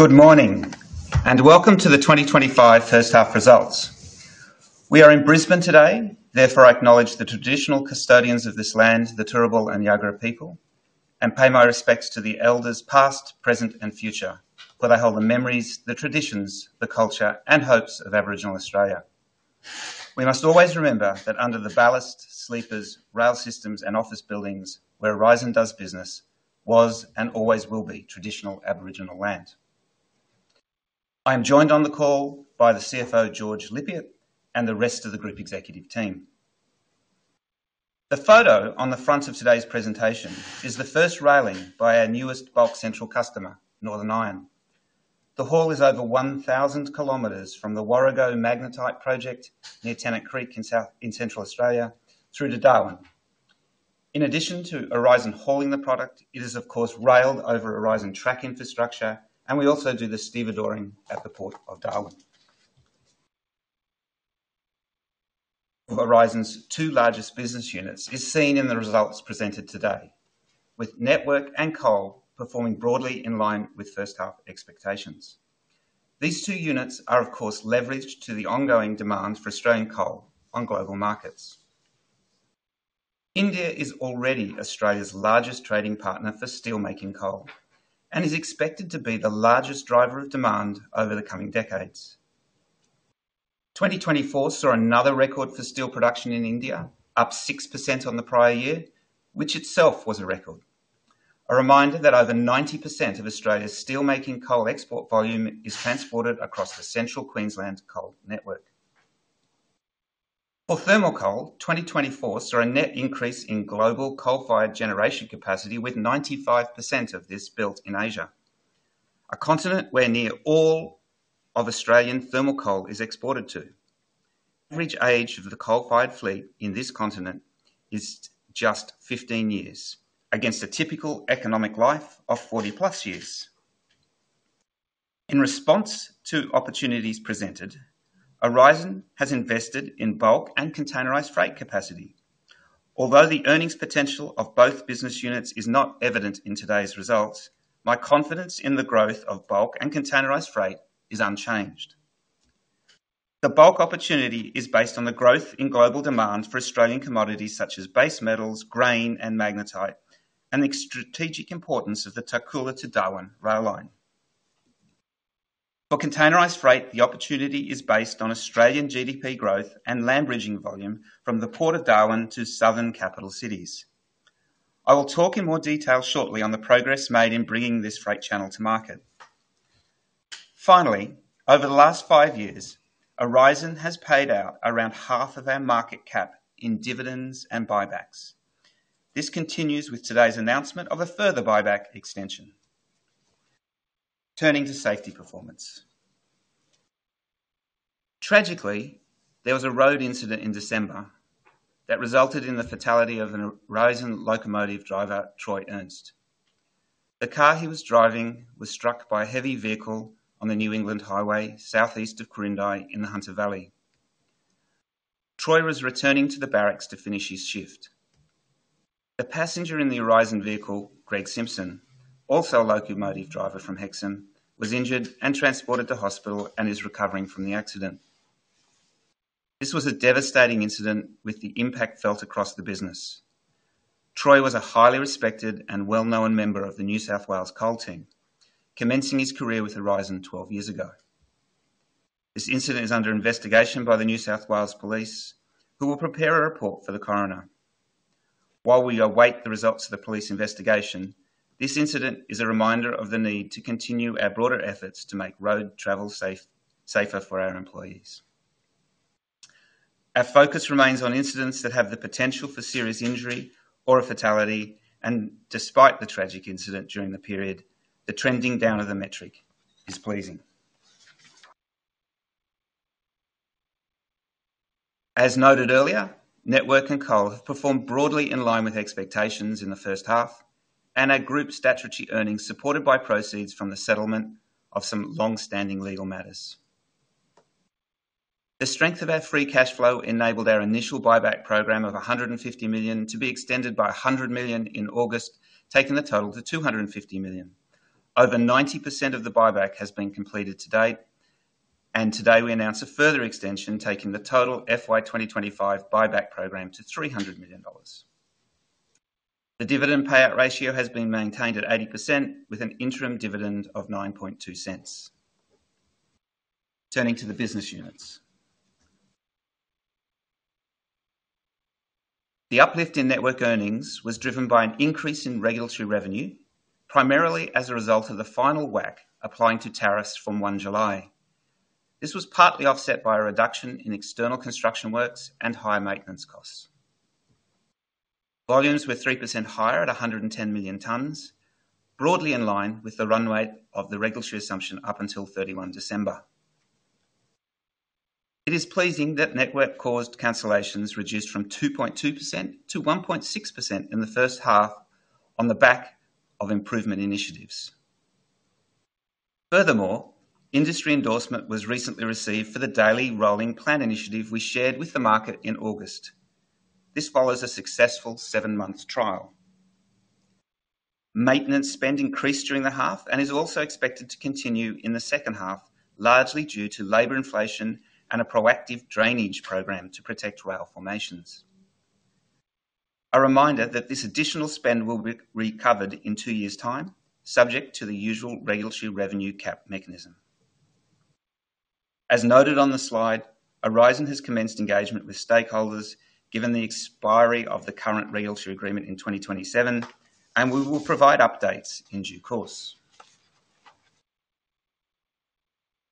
Good morning, and welcome to the 2025 First Half Results. We are in Brisbane today. Therefore, I acknowledge the traditional custodians of this land, the Turrbal and Yuggera people, and pay my respects to the elders past, present, and future, for they hold the memories, the traditions, the culture, and hopes of Aboriginal Australia. We must always remember that under the ballast, sleepers, rail systems, and office buildings where Aurizon does business was and always will be traditional Aboriginal land. I am joined on the call by the CFO, George Lippiatt, and the rest of the group executive team. The photo on the front of today's presentation is the first railing by our newest Bulk Central customer, Northern Iron. The haul is over 1,000 km from the Warrego Magnetite Project near Tennant Creek in Central Australia through to Darwin. In addition to Aurizon hauling the product, it is, of course, railed over Aurizon track infrastructure, and we also do the stevedoring at the Port of Darwin. Aurizon's two largest business units are seen in the results presented today, with Network and Coal performing broadly in line with first half expectations. These two units are, of course, leveraged to the ongoing demand for Australian coal on global markets. India is already Australia's largest trading partner for steelmaking coal and is expected to be the largest driver of demand over the coming decades. 2024 saw another record for steel production in India, up 6% on the prior year, which itself was a record. A reminder that over 90% of Australia's steelmaking coal export volume is transported across the Central Queensland Coal Network. For thermal coal, 2024 saw a net increase in global coal-fired generation capacity, with 95% of this built in Asia, a continent where near all of Australian thermal coal is exported to. The average age of the coal-fired fleet in this continent is just 15 years, against a typical economic life of 40+ years. In response to opportunities presented, Aurizon has invested in Bulk and Containerised Freight capacity. Although the earnings potential of both business units is not evident in today's results, my confidence in the growth of Bulk and Containerised Freight is unchanged. The Bulk opportunity is based on the growth in global demand for Australian commodities such as base metals, grain, and magnetite, and the strategic importance of the Tarcoola to Darwin rail line. For Containerised Freight, the opportunity is based on Australian GDP growth and land-bridging volume from the Port of Darwin to southern capital cities. I will talk in more detail shortly on the progress made in bringing this freight channel to market. Finally, over the last five years, Aurizon has paid out around half of our market cap in dividends and buybacks. This continues with today's announcement of a further buyback extension. Turning to safety performance. Tragically, there was a road incident in December that resulted in the fatality of an Aurizon locomotive driver, Troy Ernst. The car he was driving was struck by a heavy vehicle on the New England Highway, southeast of Quirindi, in the Hunter Valley. Troy was returning to the barracks to finish his shift. The passenger in the Aurizon vehicle, Greg Simpson, also a locomotive driver from Hexham, was injured and transported to hospital and is recovering from the accident. This was a devastating incident, with the impact felt across the business. Troy was a highly respected and well-known member of the New South Wales Coal Team, commencing his career with Aurizon 12 years ago. This incident is under investigation by the New South Wales Police, who will prepare a report for the coroner. While we await the results of the police investigation, this incident is a reminder of the need to continue our broader efforts to make road travel safer for our employees. Our focus remains on incidents that have the potential for serious injury or a fatality, and despite the tragic incident during the period, the trending down of the metric is pleasing. As noted earlier, Network and Coal have performed broadly in line with expectations in the first half, and our group statutory earnings supported by proceeds from the settlement of some long-standing legal matters. The strength of our free cash flow enabled our initial buyback program of $150 million to be extended by $100 million in August, taking the total to $250 million. Over 90% of the buyback has been completed to date, and today we announce a further extension, taking the total FY 2025 buyback program to $300 million. The dividend payout ratio has been maintained at 80%, with an interim dividend of $9.2. Turning to the business units. The uplift in Network earnings was driven by an increase in regulatory revenue, primarily as a result of the final WACC applying to tariffs from 1 July. This was partly offset by a reduction in external construction works and higher maintenance costs. Volumes were 3% higher at 110 million tonnes, broadly in line with the run rate of the regulatory assumption up until 31 December. It is pleasing that Network-caused cancellations reduced from 2.2% to 1.6% in the first half on the back of improvement initiatives. Furthermore, industry endorsement was recently received for the daily rolling plan initiative we shared with the market in August. This follows a successful seven-month trial. Maintenance spend increased during the half and is also expected to continue in the second half, largely due to labour inflation and a proactive drainage program to protect rail formations. A reminder that this additional spend will be recovered in two years' time, subject to the usual regulatory revenue cap mechanism. As noted on the slide, Aurizon has commenced engagement with stakeholders given the expiry of the current regulatory agreement in 2027, and we will provide updates in due course.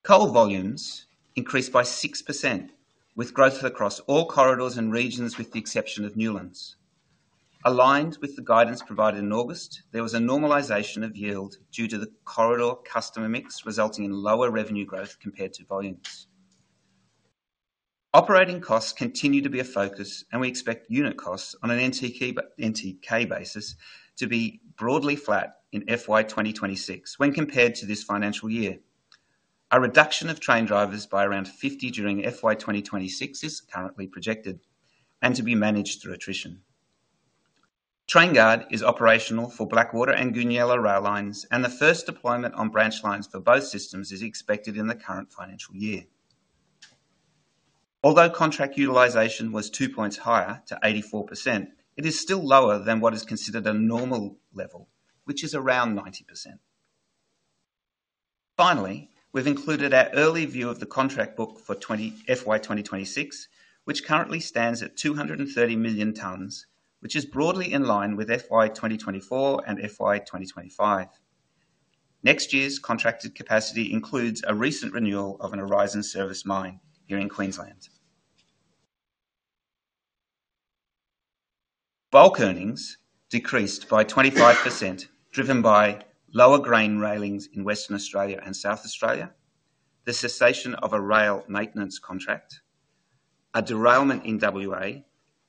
Coal volumes increased by 6%, with growth across all corridors and regions with the exception of Newlands. Aligned with the guidance provided in August, there was a normalisation of yield due to the corridor customer mix, resulting in lower revenue growth compared to volumes. Operating costs continue to be a focus, and we expect unit costs on an NTK basis to be broadly flat in FY 2026 when compared to this financial year. A reduction of train drivers by around 50 during FY 2026 is currently projected and to be managed through attrition. TrainGuard is operational for Blackwater and Goonyella rail lines, and the first deployment on branch lines for both systems is expected in the current financial year. Although contract utilisation was two points higher, to 84%, it is still lower than what is considered a normal level, which is around 90%. Finally, we've included our early view of the contract book for FY 2026, which currently stands at 230 million tonnes, which is broadly in line with FY 2024 and FY 2025. Next year's contracted capacity includes a recent renewal of an Aurizon serviced mine here in Queensland. Bulk earnings decreased by 25%, driven by lower grain railings in Western Australia and South Australia, the cessation of a rail maintenance contract, a derailment in WA,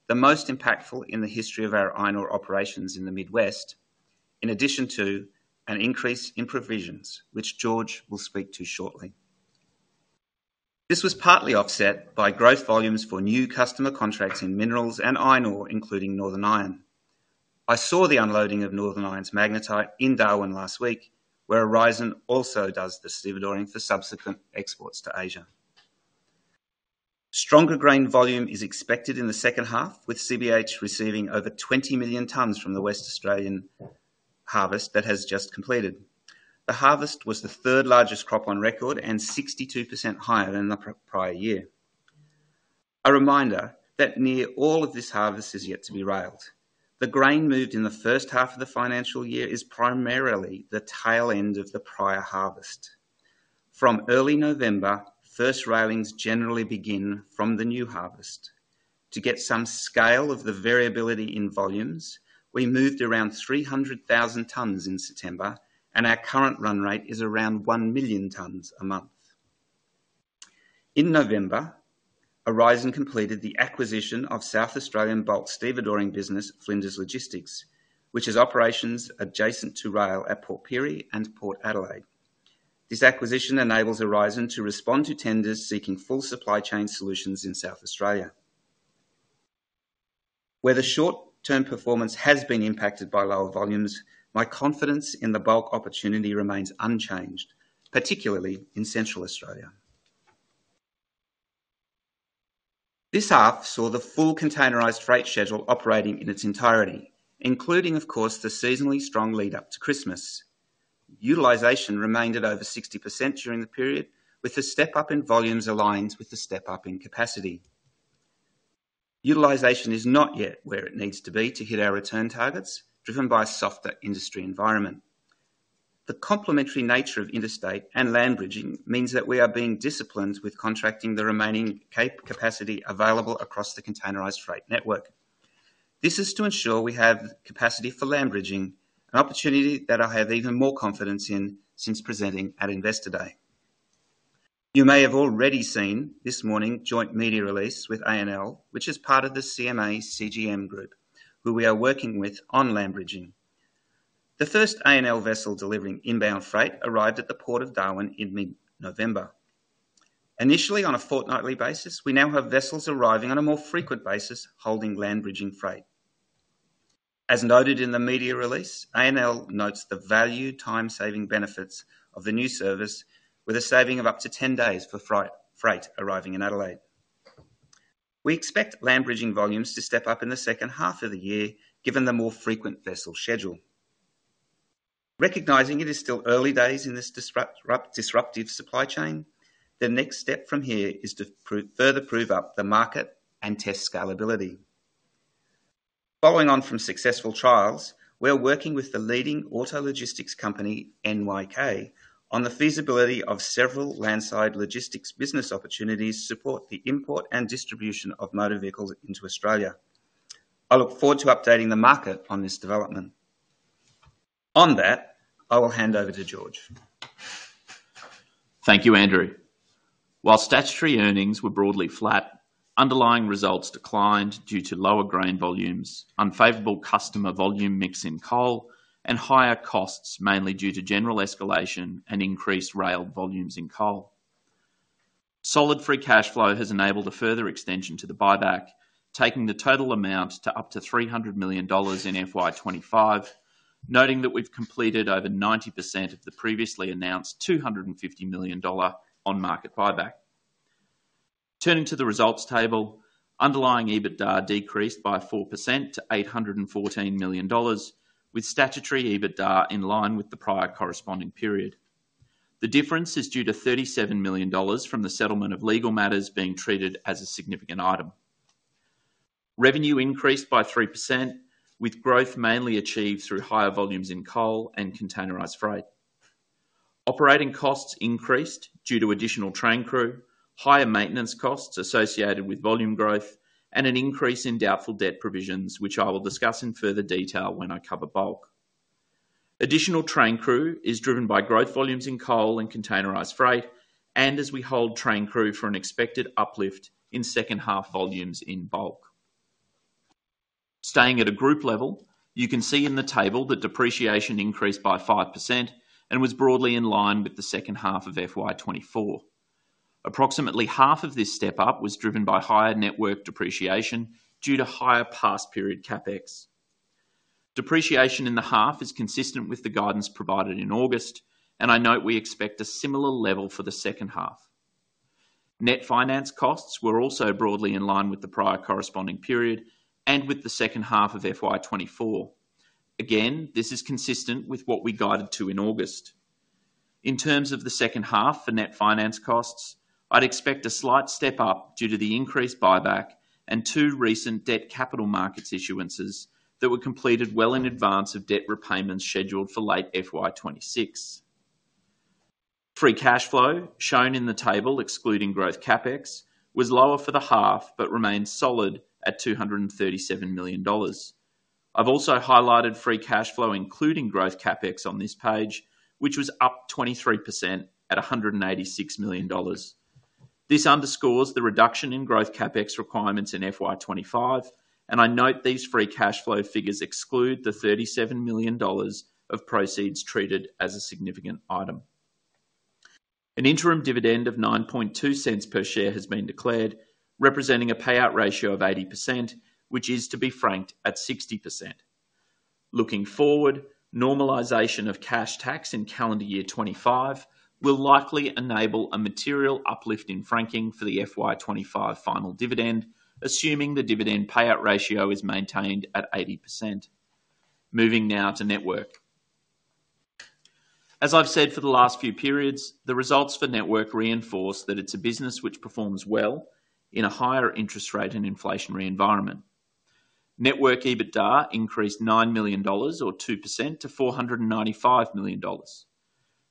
the most impactful in the history of our iron ore operations in the Mid West, in addition to an increase in provisions, which George will speak to shortly. This was partly offset by growth volumes for new customer contracts in minerals and iron ore, including Northern Iron. I saw the unloading of Northern Iron's magnetite in Darwin last week, where Aurizon also does the stevedoring for subsequent exports to Asia. Stronger grain volume is expected in the second half, with CBH receiving over 20 million tonnes from the Western Australian harvest that has just completed. The harvest was the third largest crop on record and 62% higher than the prior year. A reminder that near all of this harvest is yet to be railed. The grain moved in the first half of the financial year is primarily the tail end of the prior harvest. From early November, first railings generally begin from the new harvest. To get some scale of the variability in volumes, we moved around 300,000 tonnes in September, and our current run rate is around 1 million tonnes a month. In November, Aurizon completed the acquisition of South Australian Bulk stevedoring business Flinders Logistics, which has operations adjacent to rail at Port Pirie and Port Adelaide. This acquisition enables Aurizon to respond to tenders seeking full supply chain solutions in South Australia. Where the short-term performance has been impacted by lower volumes, my confidence in the Bulk opportunity remains unchanged, particularly in Central Australia. This half saw the full Containerised Freight schedule operating in its entirety, including, of course, the seasonally strong lead-up to Christmas. Utilisation remained at over 60% during the period, with the step-up in volumes aligned with the step-up in capacity. Utilisation is not yet where it needs to be to hit our return targets, driven by a softer industry environment. The complementary nature of interstate and land bridging means that we are being disciplined with contracting the remaining capacity available across the Containerised Freight network. This is to ensure we have capacity for land-bridging, an opportunity that I have even more confidence in since presenting at Investor Day. You may have already seen this morning's joint media release with ANL, which is part of the CMA CGM Group, who we are working with on land bridging. The first ANL vessel delivering inbound freight arrived at the Port of Darwin in mid-November. Initially on a fortnightly basis, we now have vessels arriving on a more frequent basis holding land-bridging freight. As noted in the media release, ANL notes the value time-saving benefits of the new service, with a saving of up to 10 days for freight arriving in Adelaide. We expect land-bridging volumes to step up in the second half of the year, given the more frequent vessel schedule. Recognizing it is still early days in this disruptive supply chain, the next step from here is to further prove up the market and test scalability. Following on from successful trials, we are working with the leading auto logistics company, NYK, on the feasibility of several landside logistics business opportunities to support the import and distribution of motor vehicles into Australia. I look forward to updating the market on this development. On that, I will hand over to George. Thank you, Andrew. While statutory earnings were broadly flat, underlying results declined due to lower grain volumes, unfavorable customer volume mix in Coal, and higher costs, mainly due to general escalation and increased rail volumes in Coal. Solid free cash flow has enabled a further extension to the buyback, taking the total amount to up to $300 million in FY 25, noting that we've completed over 90% of the previously announced $250 million on-market buyback. Turning to the results table, underlying EBITDA decreased by 4% to $814 million, with statutory EBITDA in line with the prior corresponding period. The difference is due to $37 million from the settlement of legal matters being treated as a significant item. Revenue increased by 3%, with growth mainly achieved through higher volumes in Coal and Containerised Freight. Operating costs increased due to additional train crew, higher maintenance costs associated with volume growth, and an increase in doubtful debt provisions, which I will discuss in further detail when I cover Bulk. Additional train crew is driven by growth volumes in Coal and Containerised Freight, and as we hold train crew for an expected uplift in second half volumes in Bulk. Staying at a group level, you can see in the table that depreciation increased by 5% and was broadly in line with the second half of FY 2024. Approximately half of this step-up was driven by higher network depreciation due to higher past period CapEx. Depreciation in the half is consistent with the guidance provided in August, and I note we expect a similar level for the second half. Net finance costs were also broadly in line with the prior corresponding period and with the second half of FY 2024. Again, this is consistent with what we guided to in August. In terms of the second half for net finance costs, I'd expect a slight step-up due to the increased buyback and two recent debt capital markets issuances that were completed well in advance of debt repayments scheduled for late FY 2026. Free cash flow, shown in the table excluding growth CapEx, was lower for the half but remained solid at $237 million. I've also highlighted free cash flow, including growth CapEx, on this page, which was up 23% at $186 million. This underscores the reduction in growth CapEx requirements in FY 2025, and I note these free cash flow figures exclude the $37 million of proceeds treated as a significant item. An interim dividend of $9.2 per share has been declared, representing a payout ratio of 80%, which is to be franked at 60%. Looking forward, normalization of cash tax in calendar year 2025 will likely enable a material uplift in franking for the FY 2025 final dividend, assuming the dividend payout ratio is maintained at 80%. Moving now to Network. As I've said for the last few periods, the results for Network reinforce that it's a business which performs well in a higher interest rate and inflationary environment. Network EBITDA increased $9 million, or 2%, to $495 million.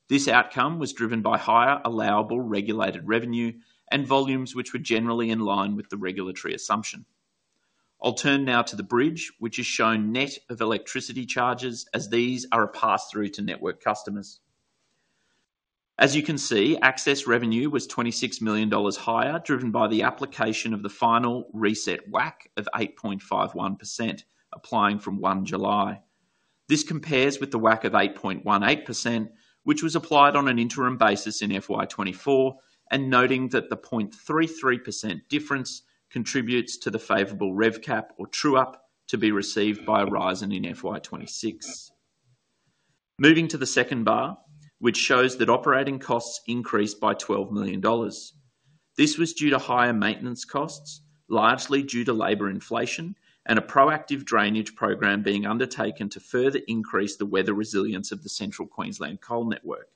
This outcome was driven by higher allowable regulated revenue and volumes, which were generally in line with the regulatory assumption. I'll turn now to the bridge, which is shown net of electricity charges, as these are a pass-through to Network customers. As you can see, access revenue was $26 million higher, driven by the application of the final reset WACC of 8.51% applying from 1 July. This compares with the WACC of 8.18%, which was applied on an interim basis in FY 2024, and noting that the 0.33% difference contributes to the favorable rev cap or true-up to be received by Aurizon in FY 2026. Moving to the second bar, which shows that operating costs increased by $12 million. This was due to higher maintenance costs, largely due to labour inflation and a proactive drainage program being undertaken to further increase the weather resilience of the Central Queensland Coal Network.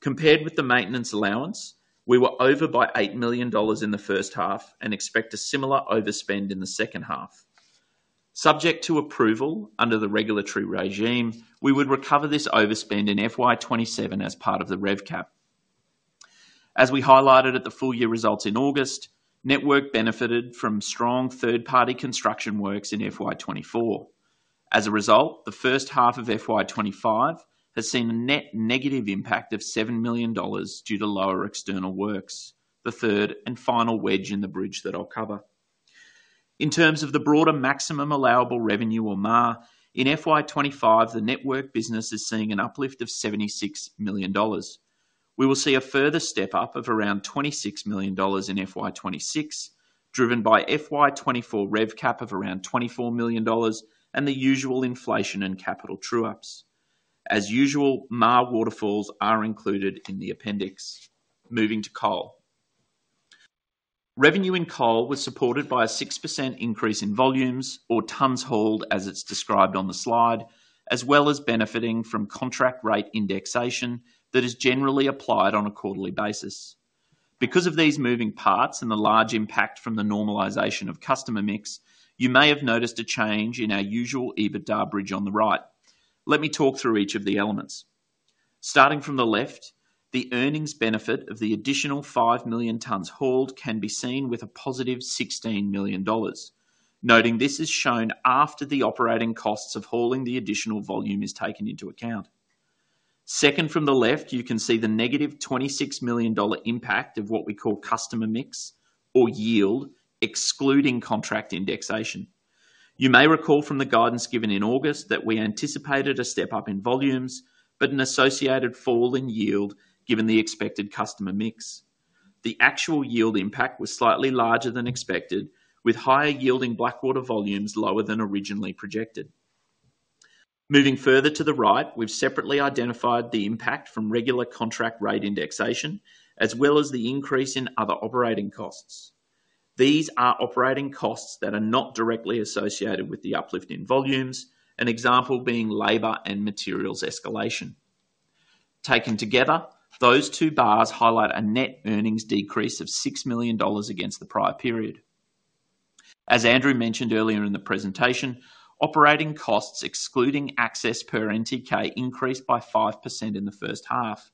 Compared with the maintenance allowance, we were over by $8 million in the first half and expect a similar overspend in the second half. Subject to approval under the regulatory regime, we would recover this overspend in FY 2027 as part of the rev cap. As we highlighted at the full year results in August, Network benefited from strong third-party construction works in FY 2024. As a result, the first half of FY 2025 has seen a net negative impact of $7 million due to lower external works, the third and final wedge in the bridge that I'll cover. In terms of the broader maximum allowable revenue, or MAR, in FY 2025, the Network business is seeing an uplift of $76 million. We will see a further step-up of around $26 million in FY 2026, driven by FY 2024 rev cap of around $24 million and the usual inflation and capital true-ups. As usual, MAR waterfalls are included in the appendix. Moving to Coal. Revenue in Coal was supported by a 6% increase in volumes, or tonnes hauled as it's described on the slide, as well as benefiting from contract rate indexation that is generally applied on a quarterly basis. Because of these moving parts and the large impact from the normalization of customer mix, you may have noticed a change in our usual EBITDA bridge on the right. Let me talk through each of the elements. Starting from the left, the earnings benefit of the additional five million tonnes hauled can be seen with a +$16 million, noting this is shown after the operating costs of hauling the additional volume is taken into account. Second from the left, you can see the -$26 million impact of what we call customer mix, or yield, excluding contract indexation. You may recall from the guidance given in August that we anticipated a step-up in volumes, but an associated fall in yield given the expected customer mix. The actual yield impact was slightly larger than expected, with higher yielding Blackwater volumes lower than originally projected. Moving further to the right, we've separately identified the impact from regular contract rate indexation, as well as the increase in other operating costs. These are operating costs that are not directly associated with the uplift in volumes, an example being labour and materials escalation. Taken together, those two bars highlight a net earnings decrease of $6 million against the prior period. As Andrew mentioned earlier in the presentation, operating costs excluding access per NTK increased by 5% in the first half.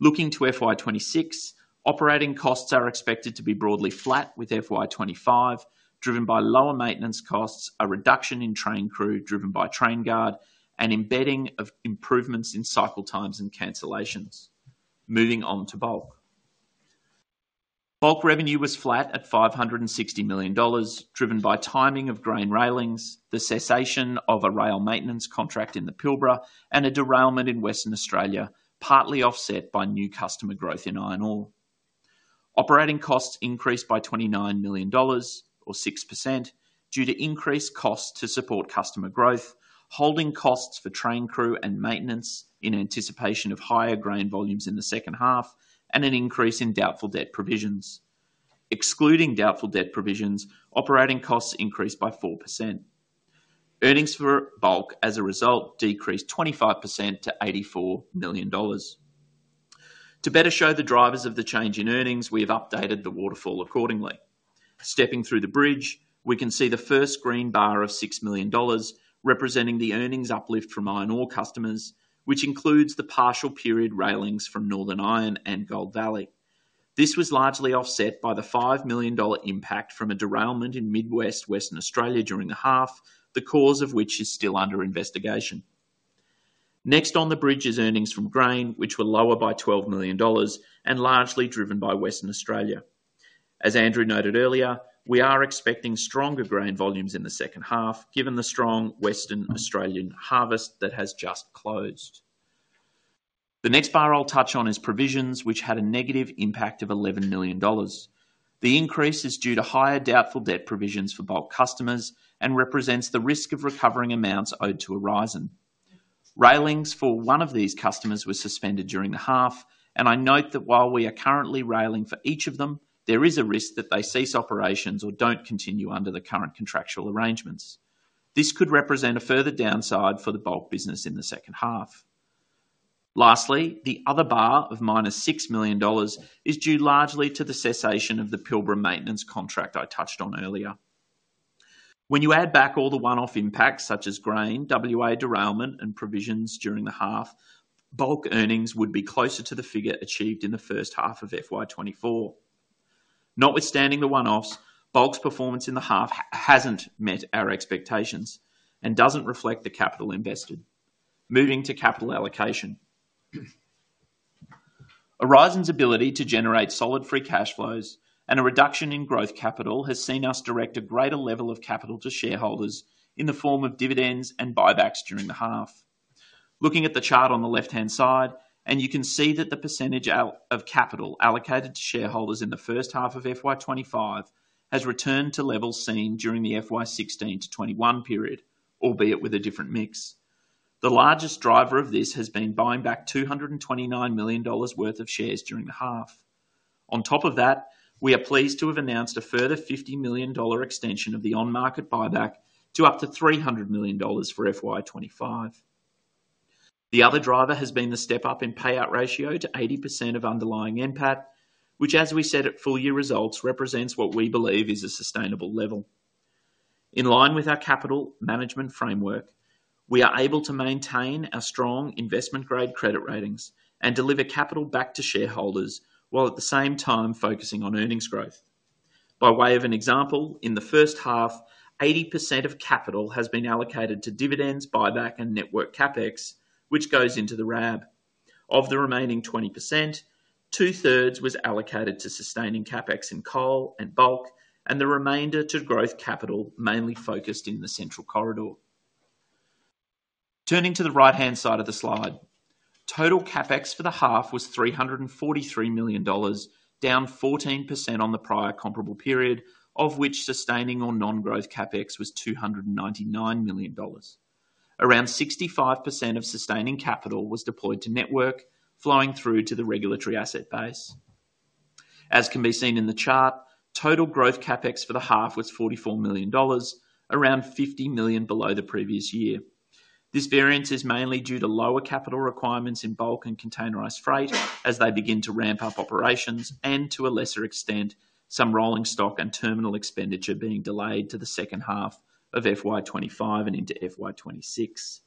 Looking to FY 2026, operating costs are expected to be broadly flat with FY 2025, driven by lower maintenance costs, a reduction in train crew driven by TrainGuard, and embedding of improvements in cycle times and cancellations. Moving on to Bulk. Bulk revenue was flat at $560 million, driven by timing of grain railings, the cessation of a rail maintenance contract in the Pilbara, and a derailment in Western Australia, partly offset by new customer growth in iron ore. Operating costs increased by $29 million, or 6%, due to increased costs to support customer growth, holding costs for train crew and maintenance in anticipation of higher grain volumes in the second half, and an increase in doubtful debt provisions. Excluding doubtful debt provisions, operating costs increased by 4%. Earnings for Bulk, as a result, decreased 25% to $84 million. To better show the drivers of the change in earnings, we have updated the waterfall accordingly. Stepping through the bridge, we can see the first green bar of $6 million, representing the earnings uplift from iron ore customers, which includes the partial period railings from Northern Iron and Gold Valley. This was largely offset by the $5 million impact from a derailment in Mid West, Western Australia during the half, the cause of which is still under investigation. Next on the bridge is earnings from grain, which were lower by $12 million and largely driven by Western Australia. As Andrew noted earlier, we are expecting stronger grain volumes in the second half, given the strong Western Australian harvest that has just closed. The next bar I'll touch on is provisions, which had a negative impact of $11 million. The increase is due to higher doubtful debt provisions for Bulk customers and represents the risk of recovering amounts owed to Aurizon. Railings for one of these customers were suspended during the half, and I note that while we are currently railing for each of them, there is a risk that they cease operations or don't continue under the current contractual arrangements. This could represent a further downside for the Bulk business in the second half. Lastly, the other bar of -$6 million is due largely to the cessation of the Pilbara maintenance contract I touched on earlier. When you add back all the one-off impacts such as grain, WA derailment, and provisions during the half, Bulk earnings would be closer to the figure achieved in the first half of FY 2024. Notwithstanding the one-offs, Bulk's performance in the half hasn't met our expectations and doesn't reflect the capital invested. Moving to capital allocation. Aurizon's ability to generate solid free cash flows and a reduction in growth capital has seen us direct a greater level of capital to shareholders in the form of dividends and buybacks during the half. Looking at the chart on the left-hand side, you can see that the percentage of capital allocated to shareholders in the first half of FY 2025 has returned to levels seen during the FY 2016-FY 2021 period, albeit with a different mix. The largest driver of this has been buying back $229 million worth of shares during the half. On top of that, we are pleased to have announced a further $50 million extension of the on-market buyback to up to $300 million for FY 2025. The other driver has been the step-up in payout ratio to 80% of underlying NPAT, which, as we said at full year results, represents what we believe is a sustainable level. In line with our capital management framework, we are able to maintain our strong investment-grade credit ratings and deliver capital back to shareholders while at the same time focusing on earnings growth. By way of an example, in the first half, 80% of capital has been allocated to dividends, buyback, and Network CapEx, which goes into the RAB. Of the remaining 20%, two-thirds was allocated to sustaining CapEx in Coal and Bulk, and the remainder to growth capital, mainly focused in the Central Corridor. Turning to the right-hand side of the slide, total CapEx for the half was $343 million, down 14% on the prior comparable period, of which sustaining or non-growth CapEx was $299 million. Around 65% of sustaining capital was deployed to Network, flowing through to the regulatory asset base. As can be seen in the chart, total growth CapEx for the half was $44 million, around $50 million below the previous year. This variance is mainly due to lower capital requirements in Bulk and Containerised Freight as they begin to ramp up operations and, to a lesser extent, some rolling stock and terminal expenditure being delayed to the second half of FY 2025 and into FY 2026.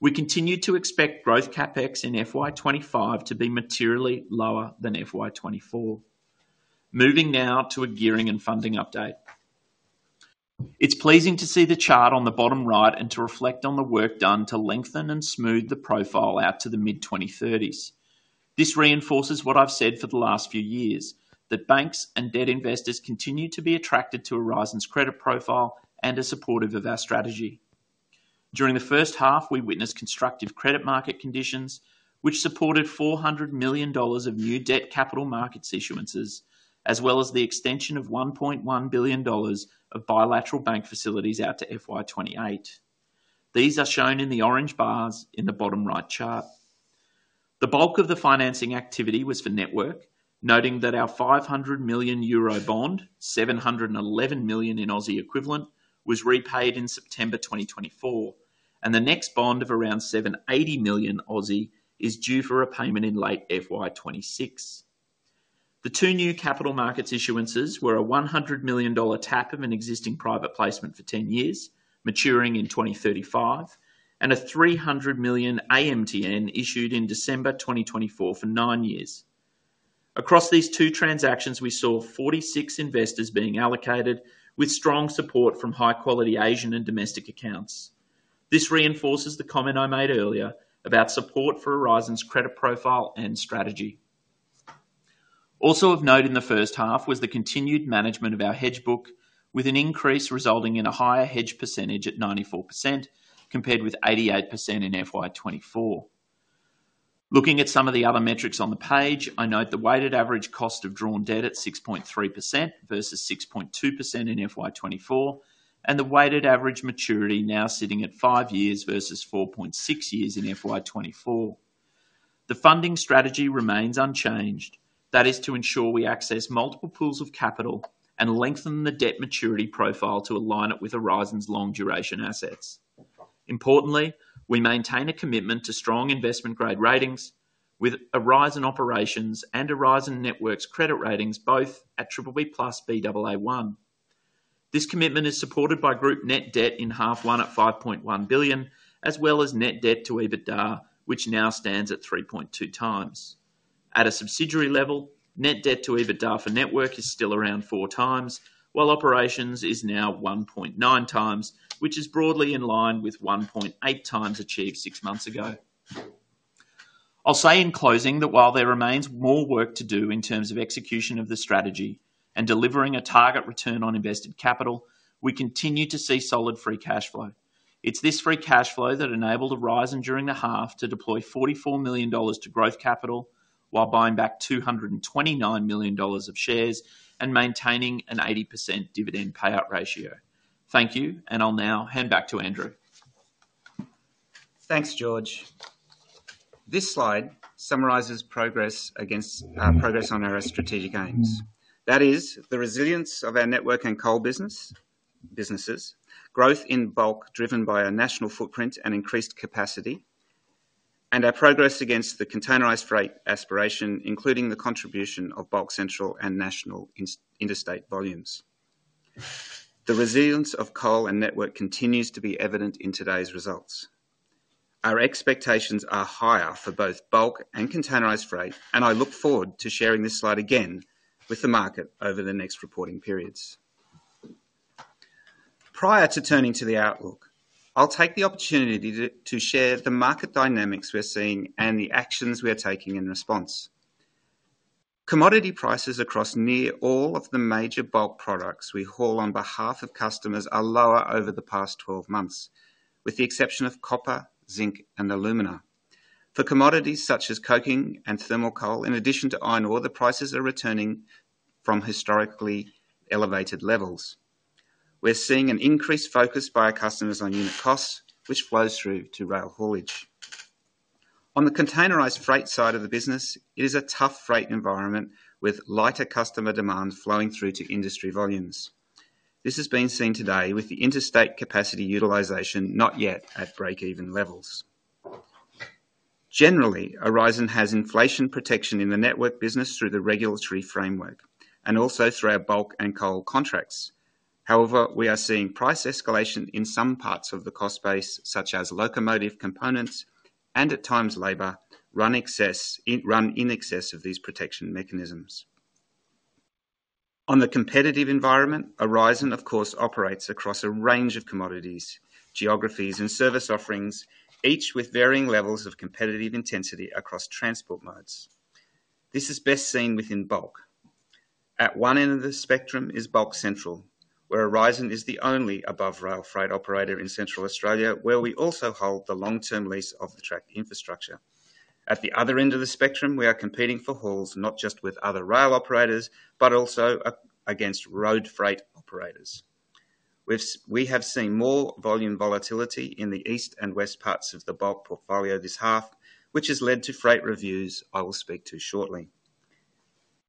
We continue to expect growth CapEx in FY 2025 to be materially lower than FY 2024. Moving now to a gearing and funding update. It's pleasing to see the chart on the bottom right and to reflect on the work done to lengthen and smooth the profile out to the mid-2030s. This reinforces what I've said for the last few years, that banks and debt investors continue to be attracted to Aurizon's credit profile and are supportive of our strategy. During the first half, we witnessed constructive credit market conditions, which supported $400 million of new debt capital markets issuances, as well as the extension of $1.1 billion of bilateral bank facilities out to FY 2028. These are shown in the orange bars in the bottom right chart. The bulk of the financing activity was for network, noting that our 500 million euro bond, 711 million in Aussie equivalent, was repaid in September 2024, and the next bond of around 780 million is due for repayment in late FY 2026. The two new capital markets issuances were a $100 million tap of an existing private placement for 10 years, maturing in 2035, and a $300 million AMTN issued in December 2024 for nine years. Across these two transactions, we saw 46 investors being allocated, with strong support from high-quality Asian and domestic accounts. This reinforces the comment I made earlier about support for Aurizon's credit profile and strategy. Also of note in the first half was the continued management of our hedge book, with an increase resulting in a higher hedge percentage at 94% compared with 88% in FY 2024. Looking at some of the other metrics on the page, I note the weighted average cost of drawn debt at 6.3% versus 6.2% in FY 2024, and the weighted average maturity now sitting at five years versus 4.6 years in FY 2024. The funding strategy remains unchanged, that is to ensure we access multiple pools of capital and lengthen the debt maturity profile to align it with Aurizon's long-duration assets. Importantly, we maintain a commitment to strong investment-grade ratings with Aurizon Operations and Aurizon Network credit ratings both at BBB+/Baa1. This commitment is supported by group net debt in half one at $5.1 billion, as well as net debt to EBITDA, which now stands at 3.2x. At a subsidiary level, net debt to EBITDA for Network is still around 4x, while Operations is now 1.9x, which is broadly in line with 1.8x achieved six months ago. I'll say in closing that while there remains more work to do in terms of execution of the strategy and delivering a target return on invested capital, we continue to see solid free cash flow. It's this free cash flow that enabled Aurizon during the half to deploy $44 million to growth capital while buying back $229 million of shares and maintaining an 80% dividend payout ratio. Thank you, and I'll now hand back to Andrew. Thanks, George. This slide summarizes progress against our strategic aims. That is the resilience of our Network and Coal businesses, growth in Bulk driven by our national footprint and increased capacity, and our progress against the Containerised Freight aspiration, including the contribution of Bulk Central and national interstate volumes. The resilience of Coal and Network continues to be evident in today's results. Our expectations are higher for both Bulk and Containerised Freight, and I look forward to sharing this slide again with the market over the next reporting periods. Prior to turning to the outlook, I'll take the opportunity to share the market dynamics we're seeing and the actions we are taking in response. Commodity prices across nearly all of the major Bulk products we haul on behalf of customers are lower over the past 12 months, with the exception of copper, zinc, and alumina. For commodities such as coking and thermal coal, in addition to iron ore, the prices are returning from historically elevated levels. We're seeing an increased focus by our customers on unit costs, which flows through to rail haulage. On the Containerised Freight side of the business, it is a tough freight environment with lighter customer demand flowing through to industry volumes. This has been seen today with the interstate capacity utilisation not yet at break-even levels. Generally, Aurizon has inflation protection in the Network business through the regulatory framework and also through our Bulk and Coal contracts. However, we are seeing price escalation in some parts of the cost base, such as locomotive components and at times labour run in excess of these protection mechanisms. On the competitive environment, Aurizon, of course, operates across a range of commodities, geographies, and service offerings, each with varying levels of competitive intensity across transport modes. This is best seen within Bulk. At one end of the spectrum is Bulk Central, where Aurizon is the only above-rail freight operator in Central Australia, where we also hold the long-term lease of the track infrastructure. At the other end of the spectrum, we are competing for hauls not just with other rail operators, but also against road freight operators. We have seen more volume volatility in the east and west parts of the Bulk portfolio this half, which has led to freight reviews I will speak to shortly.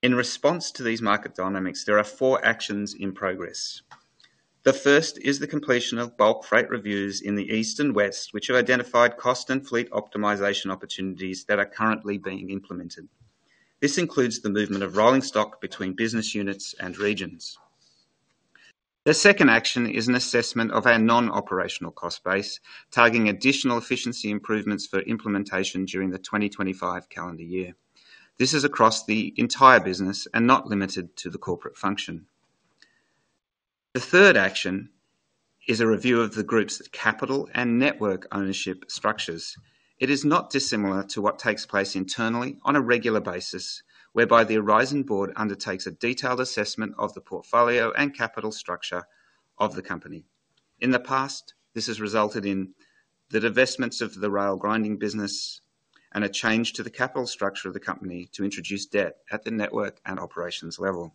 In response to these market dynamics, there are four actions in progress. The first is the completion of Bulk freight reviews in the east and west, which have identified cost and fleet optimisation opportunities that are currently being implemented. This includes the movement of rolling stock between business units and regions. The second action is an assessment of our non-operational cost base, targeting additional efficiency improvements for implementation during the 2025 calendar year. This is across the entire business and not limited to the corporate function. The third action is a review of the group's capital and network ownership structures. It is not dissimilar to what takes place internally on a regular basis, whereby the Aurizon Board undertakes a detailed assessment of the portfolio and capital structure of the company. In the past, this has resulted in the divestments of the rail grinding business and a change to the capital structure of the company to introduce debt at the Network and Operations level.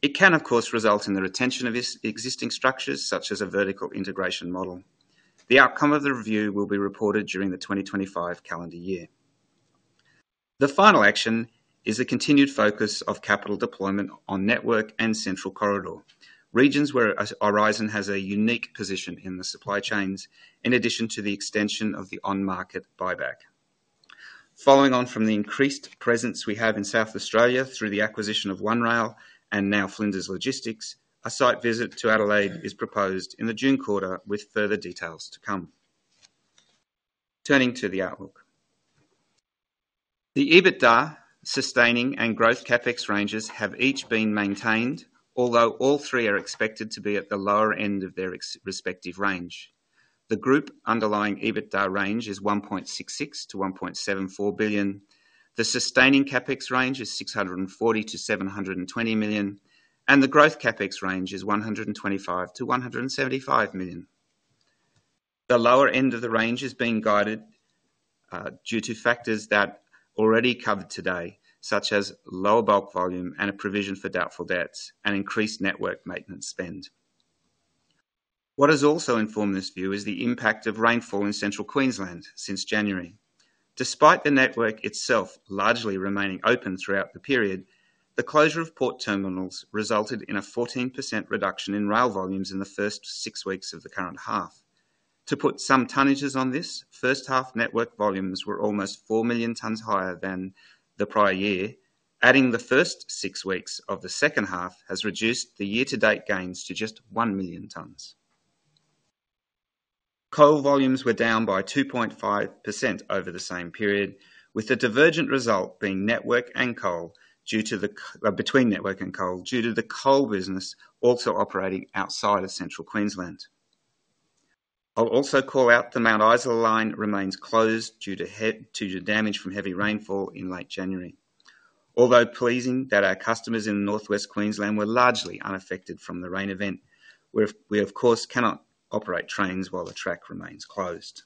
It can, of course, result in the retention of existing structures, such as a vertical integration model. The outcome of the review will be reported during the 2025 calendar year. The final action is the continued focus of capital deployment on Network and Central Corridor, regions where Aurizon has a unique position in the supply chains, in addition to the extension of the on-market buyback. Following on from the increased presence we have in South Australia through the acquisition of One Rail and now Flinders Logistics, a site visit to Adelaide is proposed in the June quarter, with further details to come. Turning to the outlook, the EBITDA, sustaining, and growth CapEx ranges have each been maintained, although all three are expected to be at the lower end of their respective range. The group underlying EBITDA range is $1.66 billion-$1.74 billion. The sustaining CapEx range is $640 million-$720 million, and the growth CapEx range is $125 million-$175 million. The lower end of the range is being guided due to factors that are already covered today, such as lower Bulk volume and a provision for doubtful debts and increased Network maintenance spend. What has also informed this view is the impact of rainfall in Central Queensland since January. Despite the network itself largely remaining open throughout the period, the closure of port terminals resulted in a 14% reduction in rail volumes in the first six weeks of the current half. To put some tonnages on this, first-half Network volumes were almost 4 million tonnes higher than the prior year. Adding the first six weeks of the second half has reduced the year-to-date gains to just 1 million tonnes. Coal volumes were down by 2.5% over the same period, with the divergent result between Network and Coal due to the Coal business also operating outside of Central Queensland. I'll also call out that the Mount Isa Line remains closed due to damage from heavy rainfall in late January. Although it is pleasing that our customers in North West Queensland were largely unaffected from the rain event, we, of course, cannot operate trains while the track remains closed.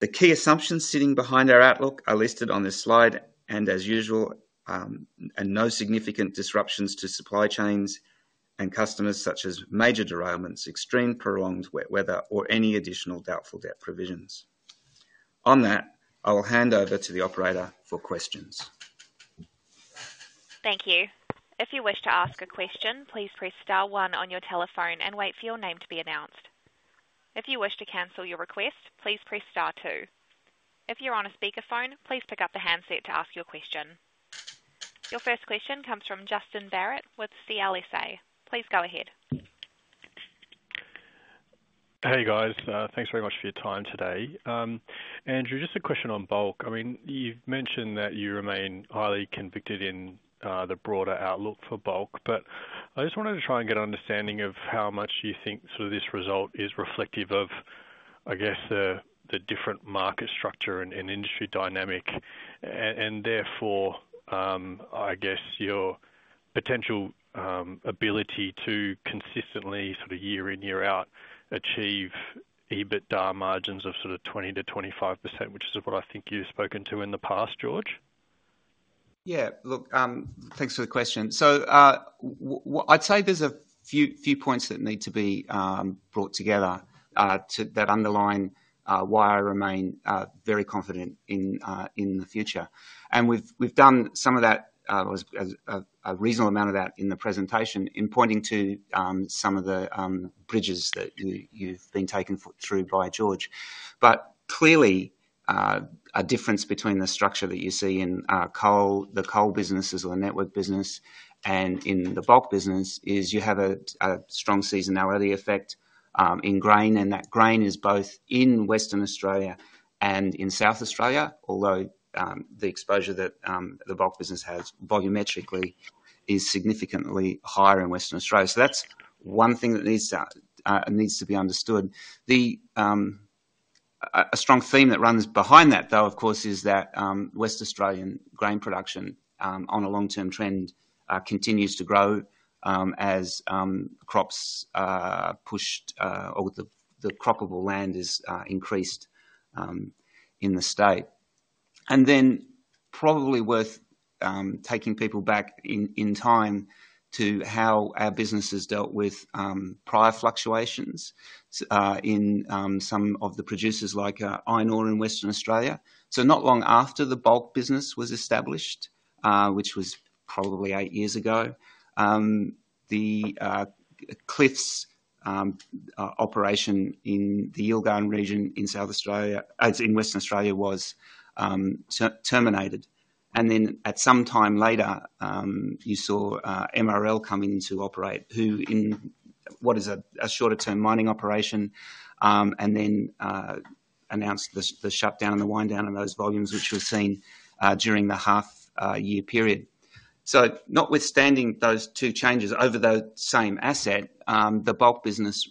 The key assumptions sitting behind our outlook are listed on this slide, and as usual, no significant disruptions to supply chains and customers, such as major derailments, extreme prolonged wet weather, or any additional doubtful debt provisions. On that, I will hand over to the operator for questions. Thank you. If you wish to ask a question, please press star one on your telephone and wait for your name to be announced. If you wish to cancel your request, please press star two. If you're on a speakerphone, please pick up the handset to ask your question. Your first question comes from Justin Barratt with CLSA. Please go ahead. Hey, guys. Thanks very much for your time today. Andrew, just a question on Bulk. I mean, you've mentioned that you remain highly confident in the broader outlook for Bulk, but I just wanted to try and get an understanding of how much you think sort of this result is reflective of, I guess, the different market structure and industry dynamic, and therefore, I guess, your potential ability to consistently sort of year in, year out achieve EBITDA margins of sort of 20%-25%, which is what I think you've spoken to in the past, George? Yeah. Look, thanks for the question. So I'd say there's a few points that need to be brought together that underline why I remain very confident in the future. And we've done some of that, a reasonable amount of that in the presentation, in pointing to some of the bridges that you've been taken through by George. But clearly, a difference between the structure that you see in the Coal businesses or the Network business and in the Bulk business is you have a strong seasonality effect in grain, and that grain is both in Western Australia and in South Australia, although the exposure that the Bulk business has volumetrically is significantly higher in Western Australia. So that's one thing that needs to be understood. A strong theme that runs behind that, though, of course, is that Western Australian grain production on a long-term trend continues to grow as crops pushed or the croppable land is increased in the state. And then probably worth taking people back in time to how our business has dealt with prior fluctuations in some of the producers like iron ore in Western Australia. So not long after the Bulk business was established, which was probably eight years ago, the Cliffs operation in the Yilgarn region in Western Australia was terminated. And then at some time later, you saw MRL come in to operate, who in what is a shorter-term mining operation, and then announced the shutdown and the wind down of those volumes, which was seen during the half-year period. So notwithstanding those two changes over the same asset, the bulk business,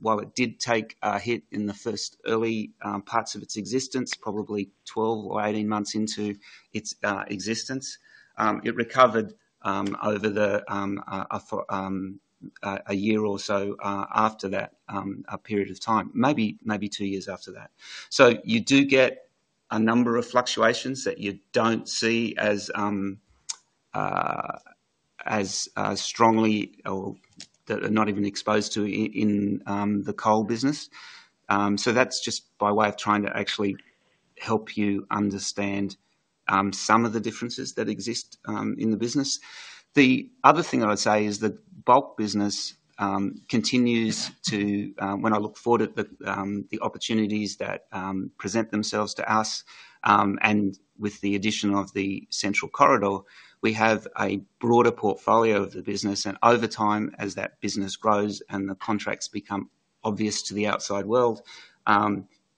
while it did take a hit in the first early parts of its existence, probably 12 or 18 months into its existence, it recovered over a year or so after that period of time, maybe two years after that. So you do get a number of fluctuations that you don't see as strongly or that are not even exposed to in the Coal business. So that's just by way of trying to actually help you understand some of the differences that exist in the business. The other thing I would say is the Bulk business continues to, when I look forward at the opportunities that present themselves to us and with the addition of the Central Corridor, we have a broader portfolio of the business. Over time, as that business grows and the contracts become obvious to the outside world,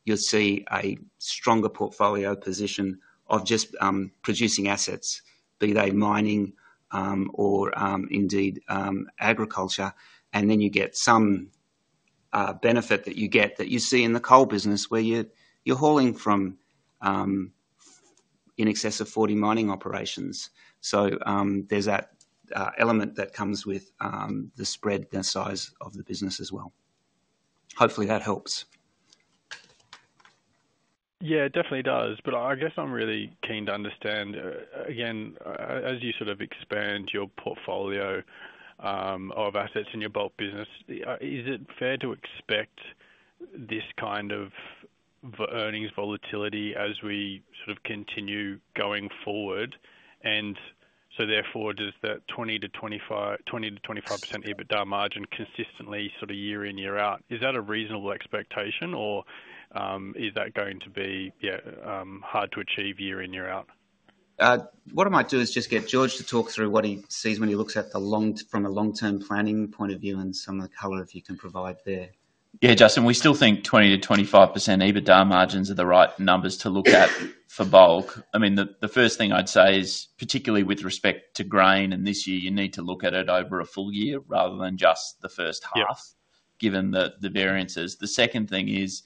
you'll see a stronger portfolio position of just producing assets, be they mining or indeed agriculture. Then you get some benefit that you get that you see in the Coal business, where you're hauling from in excess of 40 mining operations. There's that element that comes with the spread and the size of the business as well. Hopefully, that helps. Yeah, it definitely does. But I guess I'm really keen to understand, again, as you sort of expand your portfolio of assets in your Bulk business, is it fair to expect this kind of earnings volatility as we sort of continue going forward? And so therefore, does that 20%-25% EBITDA margin consistently sort of year in, year out? Is that a reasonable expectation, or is that going to be, yeah, hard to achieve year in, year out? What I might do is just get George to talk through what he sees when he looks at the long term from a long-term planning point of view and some of the color if you can provide there. Yeah, Justin, we still think 20%-25% EBITDA margins are the right numbers to look at for Bulk. I mean, the first thing I'd say is, particularly with respect to grain and this year, you need to look at it over a full year rather than just the first half, given the variances. The second thing is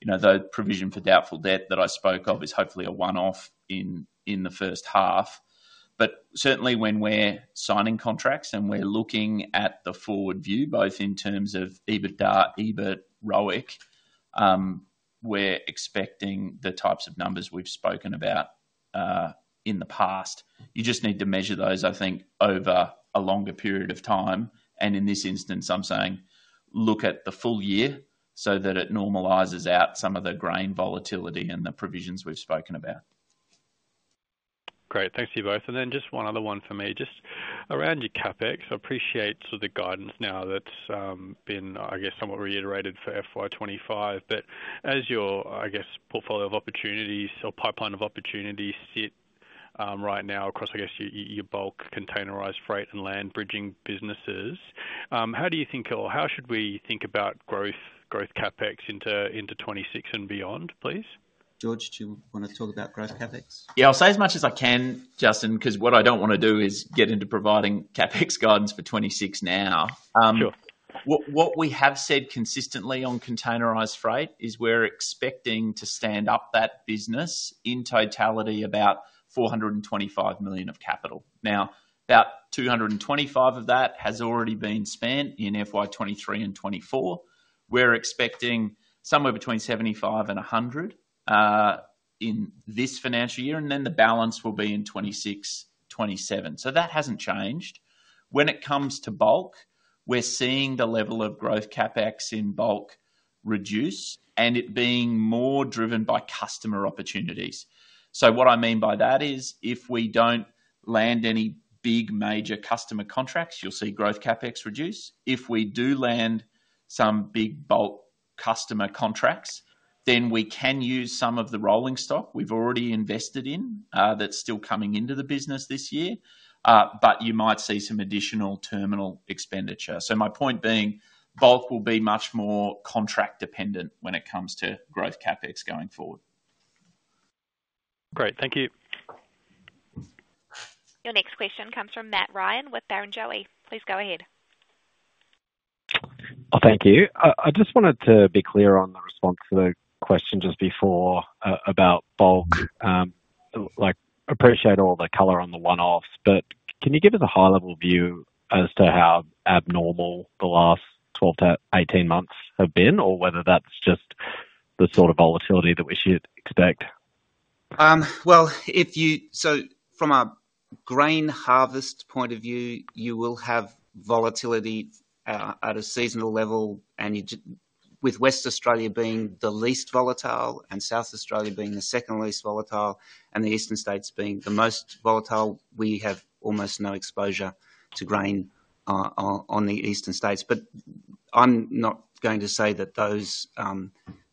the provision for doubtful debt that I spoke of is hopefully a one-off in the first half. But certainly, when we're signing contracts and we're looking at the forward view, both in terms of EBITDA, EBIT, ROIC, we're expecting the types of numbers we've spoken about in the past. You just need to measure those, I think, over a longer period of time. And in this instance, I'm saying look at the full year so that it normalizes out some of the grain volatility and the provisions we've spoken about. Great. Thanks to you both. And then just one other one for me. Just around your CapEx, I appreciate sort of the guidance now that's been, I guess, somewhat reiterated for FY 2025, but as your, I guess, portfolio of opportunities or pipeline of opportunities sit right now across, I guess, your Bulk and Containerised Freight and Land-bridging businesses, how do you think or how should we think about growth CapEx into 2026 and beyond, please? George, do you want to talk about growth CapEx? Yeah, I'll say as much as I can, Justin, because what I don't want to do is get into providing CapEx guidance for 2026 now. What we have said consistently on Containerised Freight is we're expecting to stand up that business in totality about $425 million of capital. Now, about $225 million of that has already been spent in FY 2023 and 2024. We're expecting somewhere between $75 million and $100 million in this financial year, and then the balance will be in 2026, 2027. So that hasn't changed. When it comes to Bulk, we're seeing the level of growth CapEx in Bulk reduce and it being more driven by customer opportunities. So what I mean by that is if we don't land any big major customer contracts, you'll see growth CapEx reduce. If we do land some big Bulk customer contracts, then we can use some of the rolling stock we've already invested in that's still coming into the business this year, but you might see some additional terminal expenditure. So my point being, Bulk will be much more contract-dependent when it comes to growth CapEx going forward. Great. Thank you. Your next question comes from Matt Ryan with Barrenjoey. Please go ahead. Thank you. I just wanted to be clear on the response to the question just before about Bulk. I appreciate all the color on the one-offs, but can you give us a high-level view as to how abnormal the last 12 months-18 months have been, or whether that's just the sort of volatility that we should expect? Well, so from a grain harvest point of view, you will have volatility at a seasonal level, and with Western Australia being the least volatile and South Australia being the second least volatile and the Eastern States being the most volatile, we have almost no exposure to grain on the Eastern States. But I'm not going to say that those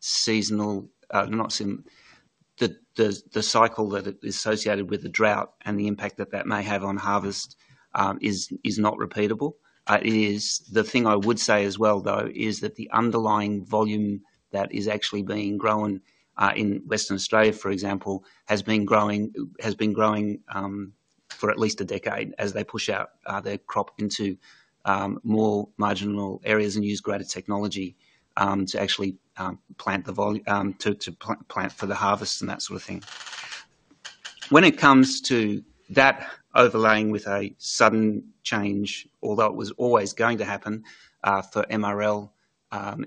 seasonal the cycle that is associated with the drought and the impact that that may have on harvest is not repeatable. The thing I would say as well, though, is that the underlying volume that is actually being grown in Western Australia, for example, has been growing for at least a decade as they push out their crop into more marginal areas and use greater technology to actually plant for the harvest and that sort of thing. When it comes to that overlaying with a sudden change, although it was always going to happen for MRL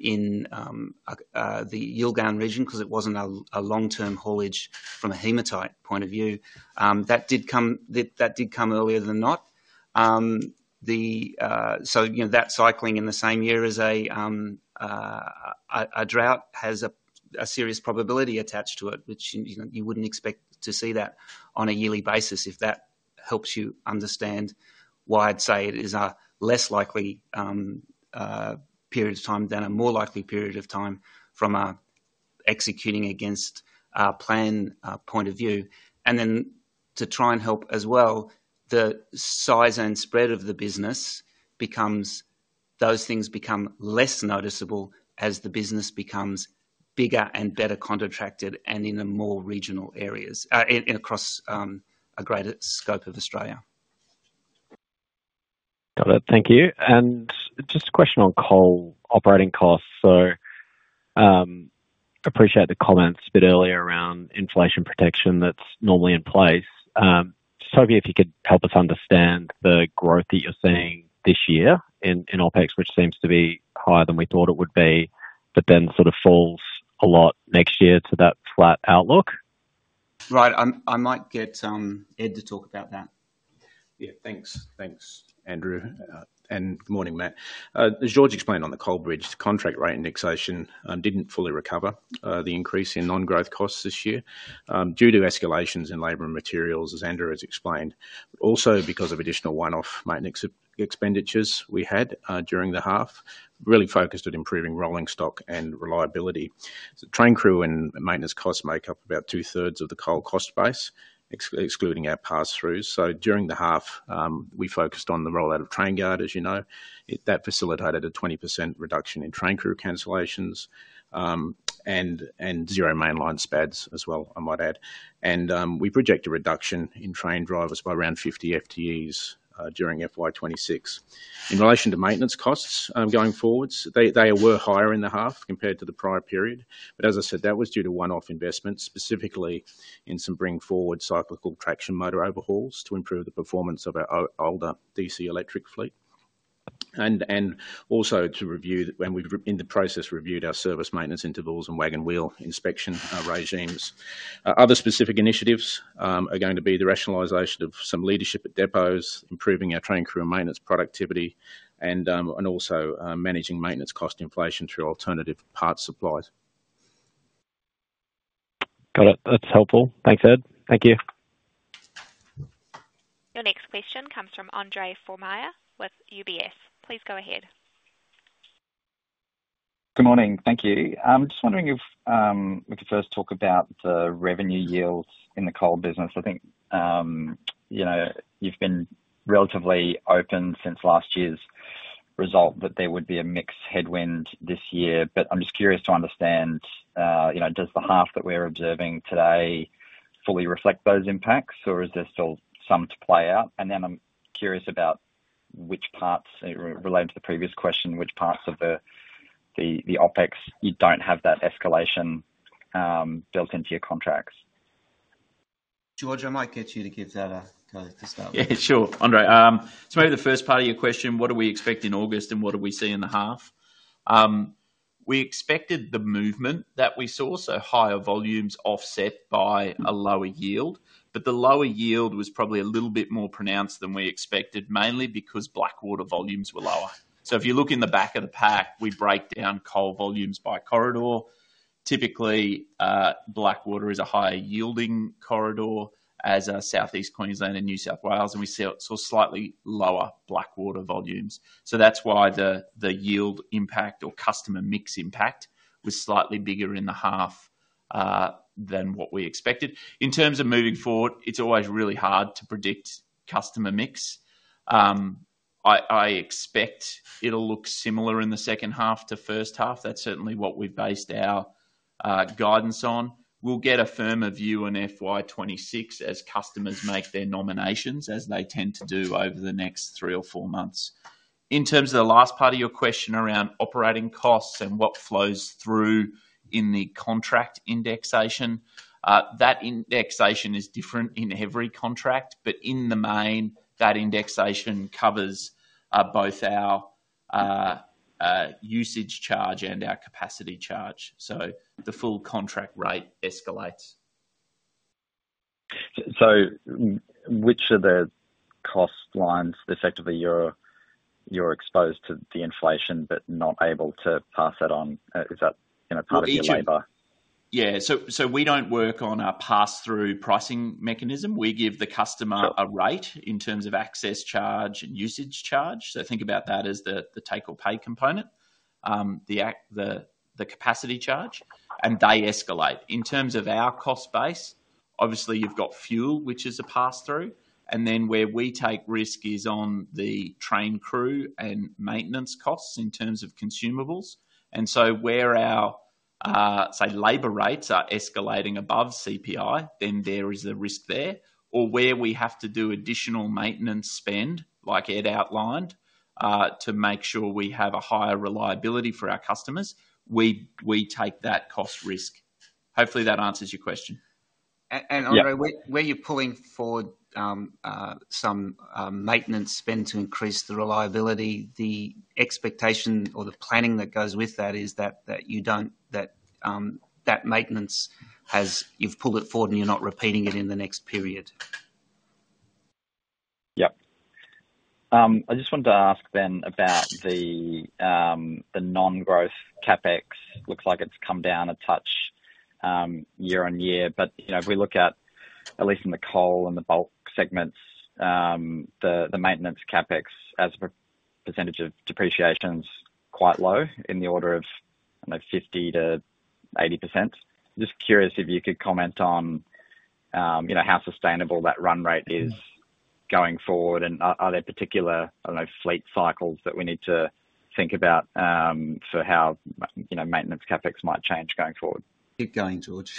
in the Yilgarn region because it wasn't a long-term haulage from a hematite point of view, that did come earlier than not. So that cycling in the same year as a drought has a serious probability attached to it, which you wouldn't expect to see that on a yearly basis, if that helps you understand why I'd say it is a less likely period of time than a more likely period of time from executing against a plan point of view. And then to try and help as well, the size and spread of the business, those things, become less noticeable as the business becomes bigger and better contracted and in more regional areas across a greater scope of Australia. Got it. Thank you. And just a question on Coal operating costs. So I appreciate the comments a bit earlier around inflation protection that's normally in place. Just hoping if you could help us understand the growth that you're seeing this year in OpEx, which seems to be higher than we thought it would be, but then sort of falls a lot next year to that flat outlook. Right. I might get Ed to talk about that. Yeah. Thanks. Thanks, Andrew. Good morning, Matt. As George explained in the Coal business, the contract rate indexation didn't fully recover the increase in non-growth costs this year due to escalations in labour and materials, as Andrew has explained, but also because of additional one-off maintenance expenditures we had during the half, really focused on improving rolling stock and reliability. So train crew and maintenance costs make up about two-thirds of the Coal cost base, excluding our pass-throughs. So during the half, we focused on the rollout of TrainGuard, as you know. That facilitated a 20% reduction in train crew cancellations and zero mainline SPADs as well, I might add. We project a reduction in train drivers by around 50 FTEs during FY 2026. In relation to maintenance costs going forwards, they were higher in the half compared to the prior period. As I said, that was due to one-off investments, specifically in some bring-forward cyclical traction motor overhauls to improve the performance of our older DC electric fleet. Also to review, and we've in the process reviewed our service maintenance intervals and wagon wheel inspection regimes. Other specific initiatives are going to be the rationalization of some leadership at depots, improving our train crew and maintenance productivity, and also managing maintenance cost inflation through alternative part supplies. Got it. That's helpful. Thanks, Ed. Thank you. Your next question comes from Andre Fromyhr with UBS. Please go ahead. Good morning. Thank you. I'm just wondering if we could first talk about the revenue yields in the Coal business. I think you've been relatively open since last year's result that there would be a mixed headwind this year. But I'm just curious to understand, does the half that we're observing today fully reflect those impacts, or is there still some to play out? And then I'm curious about which parts, relating to the previous question, which parts of the OpEx you don't have that escalation built into your contracts? George, I might get you to give that a go to start with. Yeah, sure. Andre, so maybe the first part of your question, what do we expect in August and what do we see in the half? We expected the movement that we saw, so higher volumes offset by a lower yield. But the lower yield was probably a little bit more pronounced than we expected, mainly because Blackwater volumes were lower. So if you look in the back of the pack, we break down Coal volumes by corridor. Typically, Blackwater is a higher-yielding corridor than South East Queensland and New South Wales, and we saw slightly lower Blackwater volumes. So that's why the yield impact or customer mix impact was slightly bigger in the half than what we expected. In terms of moving forward, it's always really hard to predict customer mix. I expect it'll look similar in the second half to first half. That's certainly what we've based our guidance on. We'll get a firmer view in FY 2026 as customers make their nominations, as they tend to do over the next three or four months. In terms of the last part of your question around operating costs and what flows through in the contract indexation, that indexation is different in every contract. But in the main, that indexation covers both our usage charge and our capacity charge. So the full contract rate escalates. So which of the cost lines effectively you're exposed to the inflation but not able to pass that on? Is that part of your labour? Yeah. So we don't work on a pass-through pricing mechanism. We give the customer a rate in terms of access charge and usage charge. So think about that as the take-or-pay component, the capacity charge, and they escalate. In terms of our cost base, obviously, you've got fuel, which is a pass-through. And then where we take risk is on the train crew and maintenance costs in terms of consumables. Where our say labour rates are escalating above CPI, then there is a risk there, or where we have to do additional maintenance spend, like Ed outlined, to make sure we have a higher reliability for our customers, we take that cost risk. Hopefully, that answers your question. Andre, where you're pulling forward some maintenance spend to increase the reliability, the expectation or the planning that goes with that is that you don't do that maintenance as you've pulled it forward and you're not repeating it in the next period. Yep. I just wanted to ask then about the non-growth CapEx. Looks like it's come down a touch year on year. But if we look at least in the coal and the Bulk segments, the maintenance CapEx as a percentage of depreciation is quite low, in the order of, I don't kno w, 50%-80%. Just curious if you could comment on how sustainable that run rate is going forward, and are there particular, I don't know, fleet cycles that we need to think about for how maintenance CapEx might change going forward? Keep going, George.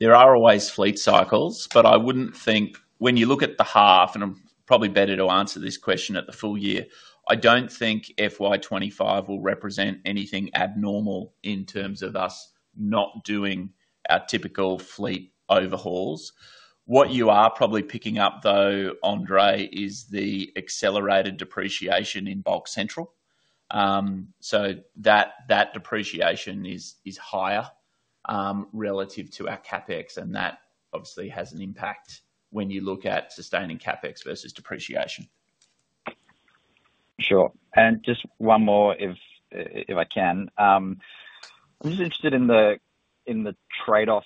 There are always fleet cycles, but I wouldn't think when you look at the half, and I'm probably better to answer this question at the full year. I don't think FY 2025 will represent anything abnormal in terms of us not doing our typical fleet overhauls. What you are probably picking up, though, Andre, is the accelerated depreciation in Bulk Central. So that depreciation is higher relative to our CapEx, and that obviously has an impact when you look at sustaining CapEx versus depreciation. Sure. And just one more, if I can. I'm just interested in the trade-off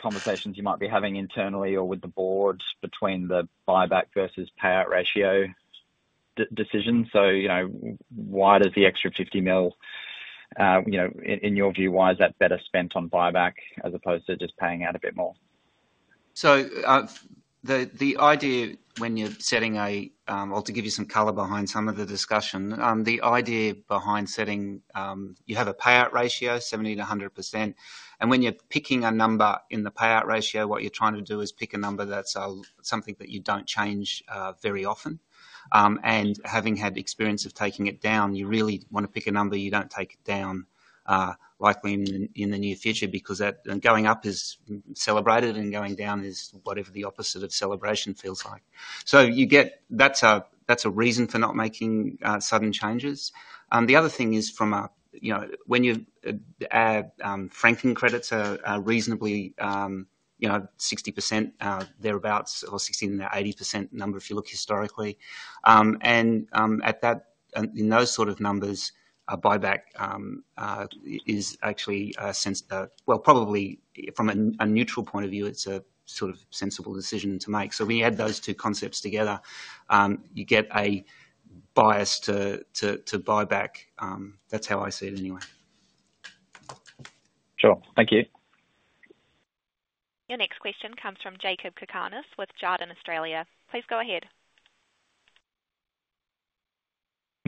conversations you might be having internally or with the Board between the buyback versus payout ratio decisions. So why does the extra $50 million, in your view, why is that better spent on buyback as opposed to just paying out a bit more? So the idea when you're setting a well, to give you some color behind some of the discussion, the idea behind setting you have a payout ratio, 70%-100%. And when you're picking a number in the payout ratio, what you're trying to do is pick a number that's something that you don't change very often. And having had experience of taking it down, you really want to pick a number you don't take down likely in the near future because going up is celebrated and going down is whatever the opposite of celebration feels like. So that's a reason for not making sudden changes. The other thing is from a when you add franking credits are reasonably 60% thereabouts or 60%-80% number if you look historically. And in those sort of numbers, buyback is actually a sensible well, probably from a neutral point of view, it's a sort of sensible decision to make. So when you add those two concepts together, you get a bias to buyback. That's how I see it anyway. Sure. Thank you. Your next question comes from Jakob Cakarnis with Jarden Australia. Please go ahead.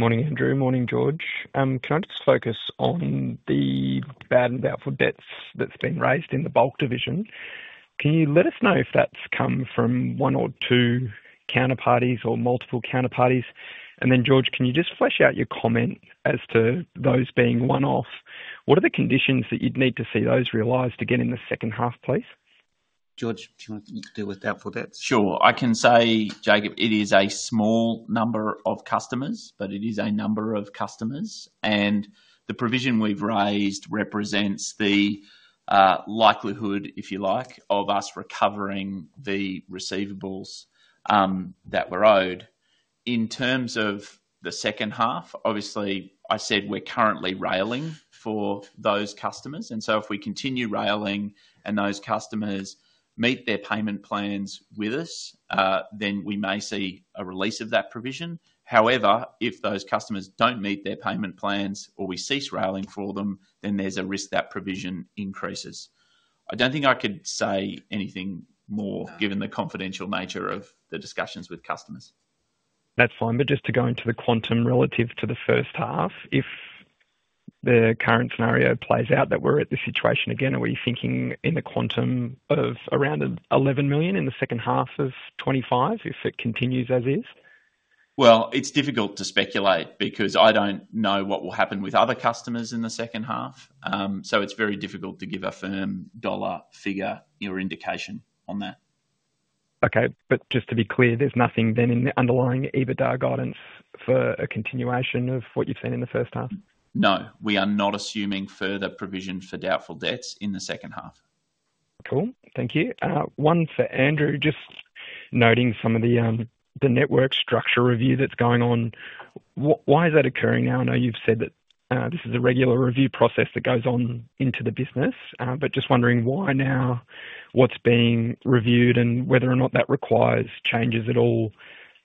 Morning, Andrew. Morning, George. Can I just focus on the bad and doubtful debts that's been raised in the Bulk division? Can you let us know if that's come from one or two counterparties or multiple counterparties? And then, George, can you just flesh out your comment as to those being one-off? What are the conditions that you'd need to see those realized to get in the second half place? George, do you want to deal with doubtful debts? Sure. I can say, Jacob, it is a small number of customers, but it is a number of customers. And the provision we've raised represents the likelihood, if you like, of us recovering the receivables that were owed. In terms of the second half, obviously, I said we're currently railing for those customers. And so if we continue railing and those customers meet their payment plans with us, then we may see a release of that provision. However, if those customers don't meet their payment plans or we cease railing for them, then there's a risk that provision increases. I don't think I could say anything more given the confidential nature of the discussions with customers. That's fine. But just to go into the quantum relative to the first half, if the current scenario plays out that we're at the situation again, are we thinking in the quantum of around $11 million in the second half of 2025 if it continues as is? Well, it's difficult to speculate because I don't know what will happen with other customers in the second half. So it's very difficult to give a firm dollar figure or indication on that. Okay. But just to be clear, there's nothing then in the underlying EBITDA guidance for a continuation of what you've seen in the first half? No. We are not assuming further provision for doubtful debts in the second half. Cool. Thank you. One for Andrew, just noting some of the network structure review that's going on. Why is that occurring now? I know you've said that this is a regular review process that goes on into the business, but just wondering why now, what's being reviewed and whether or not that requires changes at all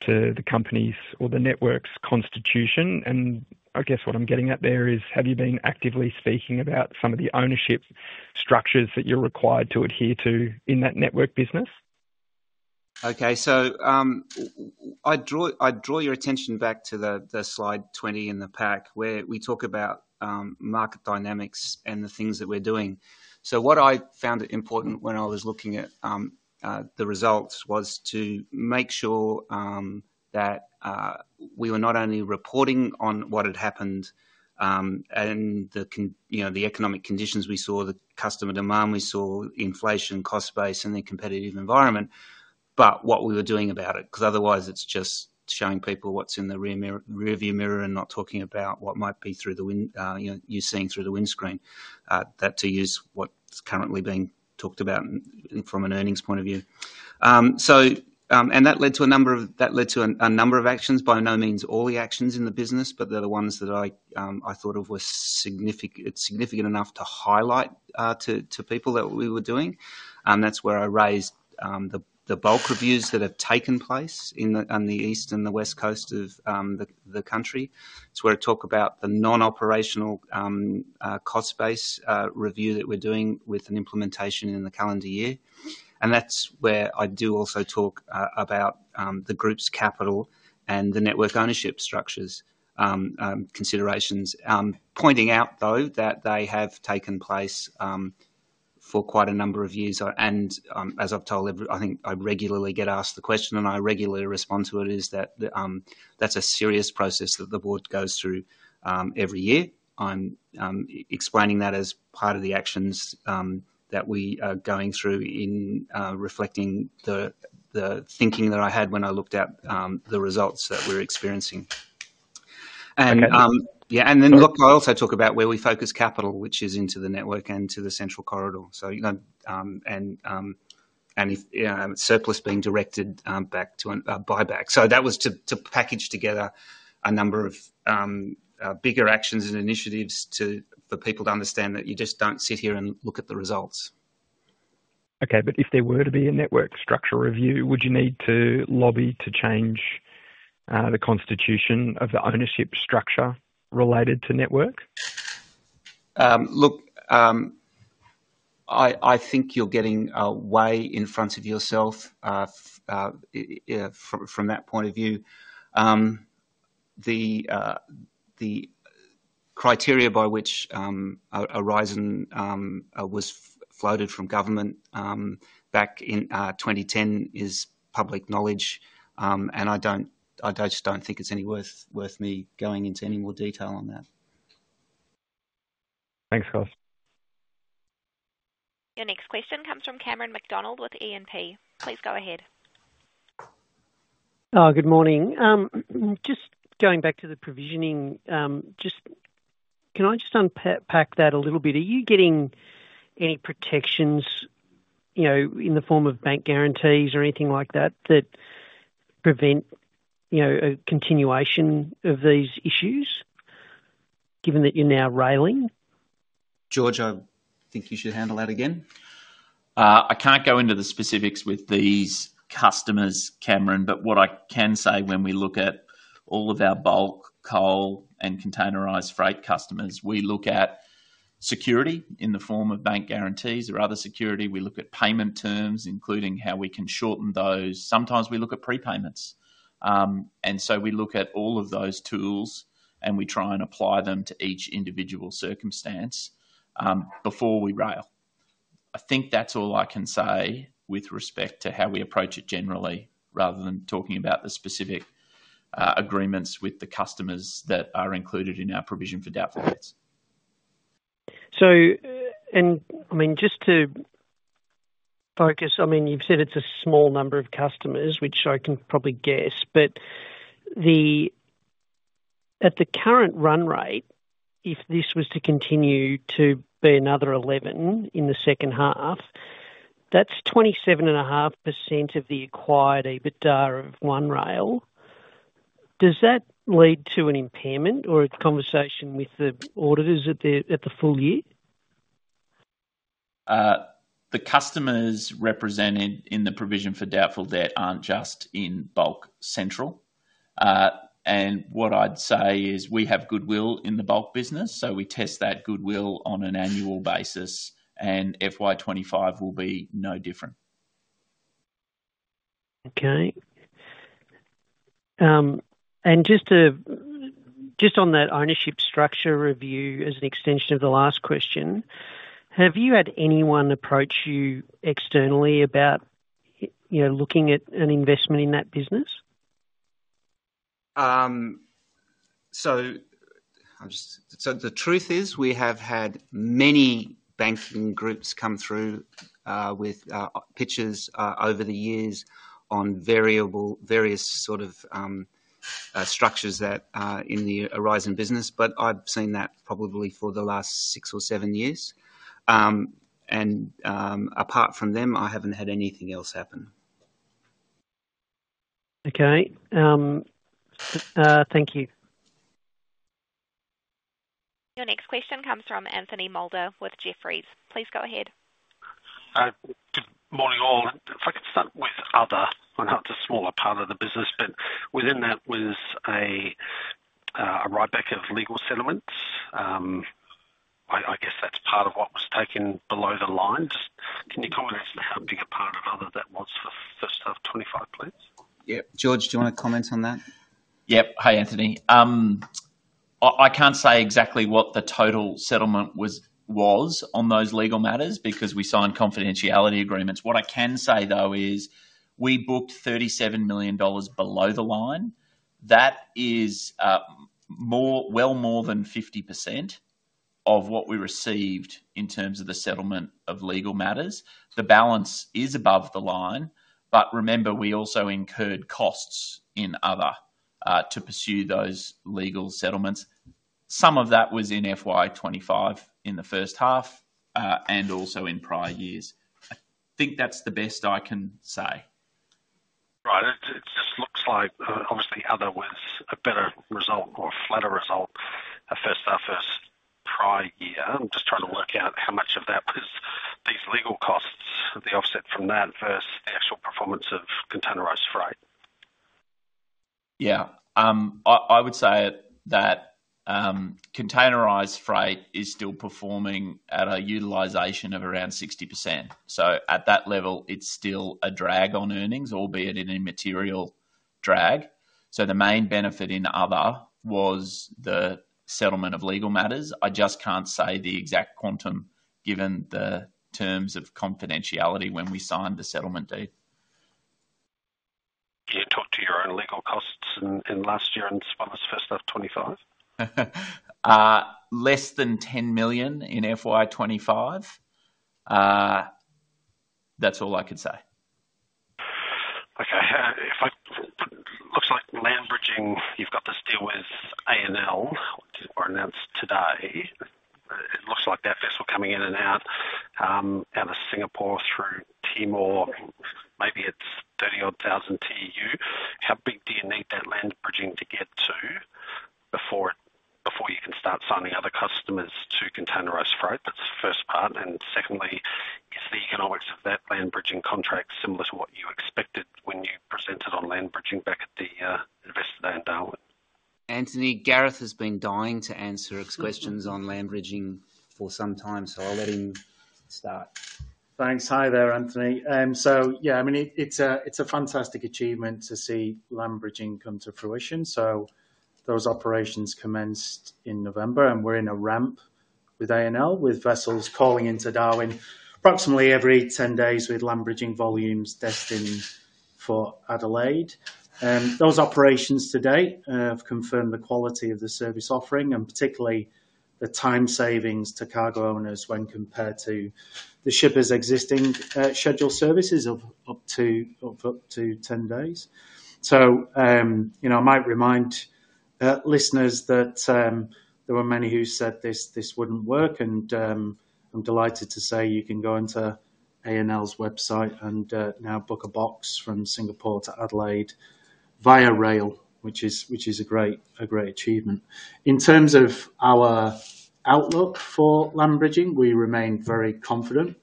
to the company's or the Network's constitution? And I guess what I'm getting at there is, have you been actively speaking about some of the ownership structures that you're required to adhere to in that Network business? Okay. So I draw your attention back to the slide 20 in the pack where we talk about market dynamics and the things that we're doing. So what I found important when I was looking at the results was to make sure that we were not only reporting on what had happened and the economic conditions we saw, the customer demand we saw, inflation, cost base, and the competitive environment, but what we were doing about it. Because otherwise, it's just showing people what's in the rearview mirror and not talking about what might be through the window you're seeing through the windscreen, that, to use what's currently being talked about from an earnings point of view. And that led to a number of actions, by no means all the actions in the business, but they're the ones that I thought of were significant enough to highlight to people that we were doing. And that's where I raised the Bulk reviews that have taken place on the East and the West Coast of the country. It's where I talk about the non-operational cost base review that we're doing with an implementation in the calendar year. And that's where I do also talk about the group's capital and the Network ownership structures considerations. Pointing out, though, that they have taken place for quite a number of years, and as I've told everyone, I think I regularly get asked the question, and I regularly respond to it, is that that's a serious process that the Board goes through every year. I'm explaining that as part of the actions that we are going through in reflecting the thinking that I had when I looked at the results that we're experiencing. And yeah. And then look, I also talk about where we focus capital, which is into the Network and to the Central Corridor. And surplus being directed back to buyback. So that was to package together a number of bigger actions and initiatives for people to understand that you just don't sit here and look at the results. Okay. But if there were to be a Network structure review, would you need to lobby to change the constitution of the ownership structure related to Network? Look, I think you're getting way in front of yourself from that point of view. The criteria by which Aurizon was floated from government back in 2010 is public knowledge. And I just don't think it's any worth me going into any more detail on that. Thanks, guys. Your next question comes from Cameron McDonald with E&P. Please go ahead. Good morning. Just going back to the provisioning, can I just unpack that a little bit? Are you getting any protections in the form of bank guarantees or anything like that that prevent a continuation of these issues given that you're now railing? George, I think you should handle that again. I can't go into the specifics with these customers, Cameron, but what I can say when we look at all of our Bulk, Coal, and Containerised Freight customers, we look at security in the form of bank guarantees or other security. We look at payment terms, including how we can shorten those. Sometimes we look at prepayments, and so we look at all of those tools, and we try and apply them to each individual circumstance before we rail. I think that's all I can say with respect to how we approach it generally, rather than talking about the specific agreements with the customers that are included in our provision for doubtful debts. And I mean, just to focus, I mean, you've said it's a small number of customers, which I can probably guess. But at the current run rate, if this was to continue to be another 11 in the second half, that's 27.5% of the acquired EBITDA of One Rail. Does that lead to an impairment or a conversation with the auditors at the full year? The customers represented in the provision for doubtful debt aren't just in Bulk Central. And what I'd say is we have goodwill in the Bulk business, so we test that goodwill on an annual basis, and FY 2025 will be no different. Okay. And just on that ownership structure review as an extension of the last question, have you had anyone approach you externally about looking at an investment in that business? So the truth is we have had many banking groups come through with pitches over the years on various sort of structures that are in the Aurizon business, but I've seen that probably for the last six or seven years, and apart from them, I haven't had anything else happen. Okay. Thank you. Your next question comes from Anthony Moulder with Jefferies. Please go ahead. Good morning, all. If I could start with other, I know it's a smaller part of the business, but within that was a write-back of legal settlements. I guess that's part of what was taken below the line. Just can you comment as to how big a part of other that was for first half 2025, please? Yep. George, do you want to comment on that? Yep. Hi, Anthony. I can't say exactly what the total settlement was on those legal matters because we signed confidentiality agreements. What I can say, though, is we booked $37 million below the line. That is well more than 50% of what we received in terms of the settlement of legal matters. The balance is above the line, but remember, we also incurred costs in order to pursue those legal settlements. Some of that was in FY 2025 in the first half and also in prior years. I think that's the best I can say. Right. It just looks like, obviously, other was a better result or a flatter result at first half of prior year. I'm just trying to work out how much of that was these legal costs, the offset from that versus the actual performance of Containerised Freight. Yeah. I would say that Containerised Freight is still performing at a utilisation of around 60%. So at that level, it's still a drag on earnings, albeit an immaterial drag. So the main benefit in other was the settlement of legal matters. I just can't say the exact quantum given the terms of confidentiality when we signed the settlement date. Do you talk to your own legal costs in last year and as far as first half 2025? Less than $10 million in FY 2025. That's all I could say. Okay. It looks like land-bridging, you've got to deal with ANL, which was announced today. It looks like that vessel coming in and out of Singapore through Timor. Maybe it's 30-odd thousand TEU. How big do you need that land-bridging to get to before you can start signing other customers to Containerised Freight? That's the first part. Secondly, is the economics of that land-bridging contract similar to what you expected when you presented on land-bridging back at the investor day in Darwin? Anthony, Gareth has been dying to answer his questions on land-bridging for some time, so I'll let him start. Thanks. Hi there, Anthony. So yeah, I mean, it's a fantastic achievement to see land-bridging come to fruition. So those operations commenced in November, and we're in a ramp with ANL, with vessels calling into Darwin approximately every 10 days with land-bridging volumes destined for Adelaide. Those operations to date have confirmed the quality of the service offering and particularly the time savings to cargo owners when compared to the shippers' existing scheduled services of up to 10 days. I might remind listeners that there were many who said this wouldn't work, and I'm delighted to say you can go into ANL's website and now book a box from Singapore to Adelaide via rail, which is a great achievement. In terms of our outlook for land-bridging, we remain very confident.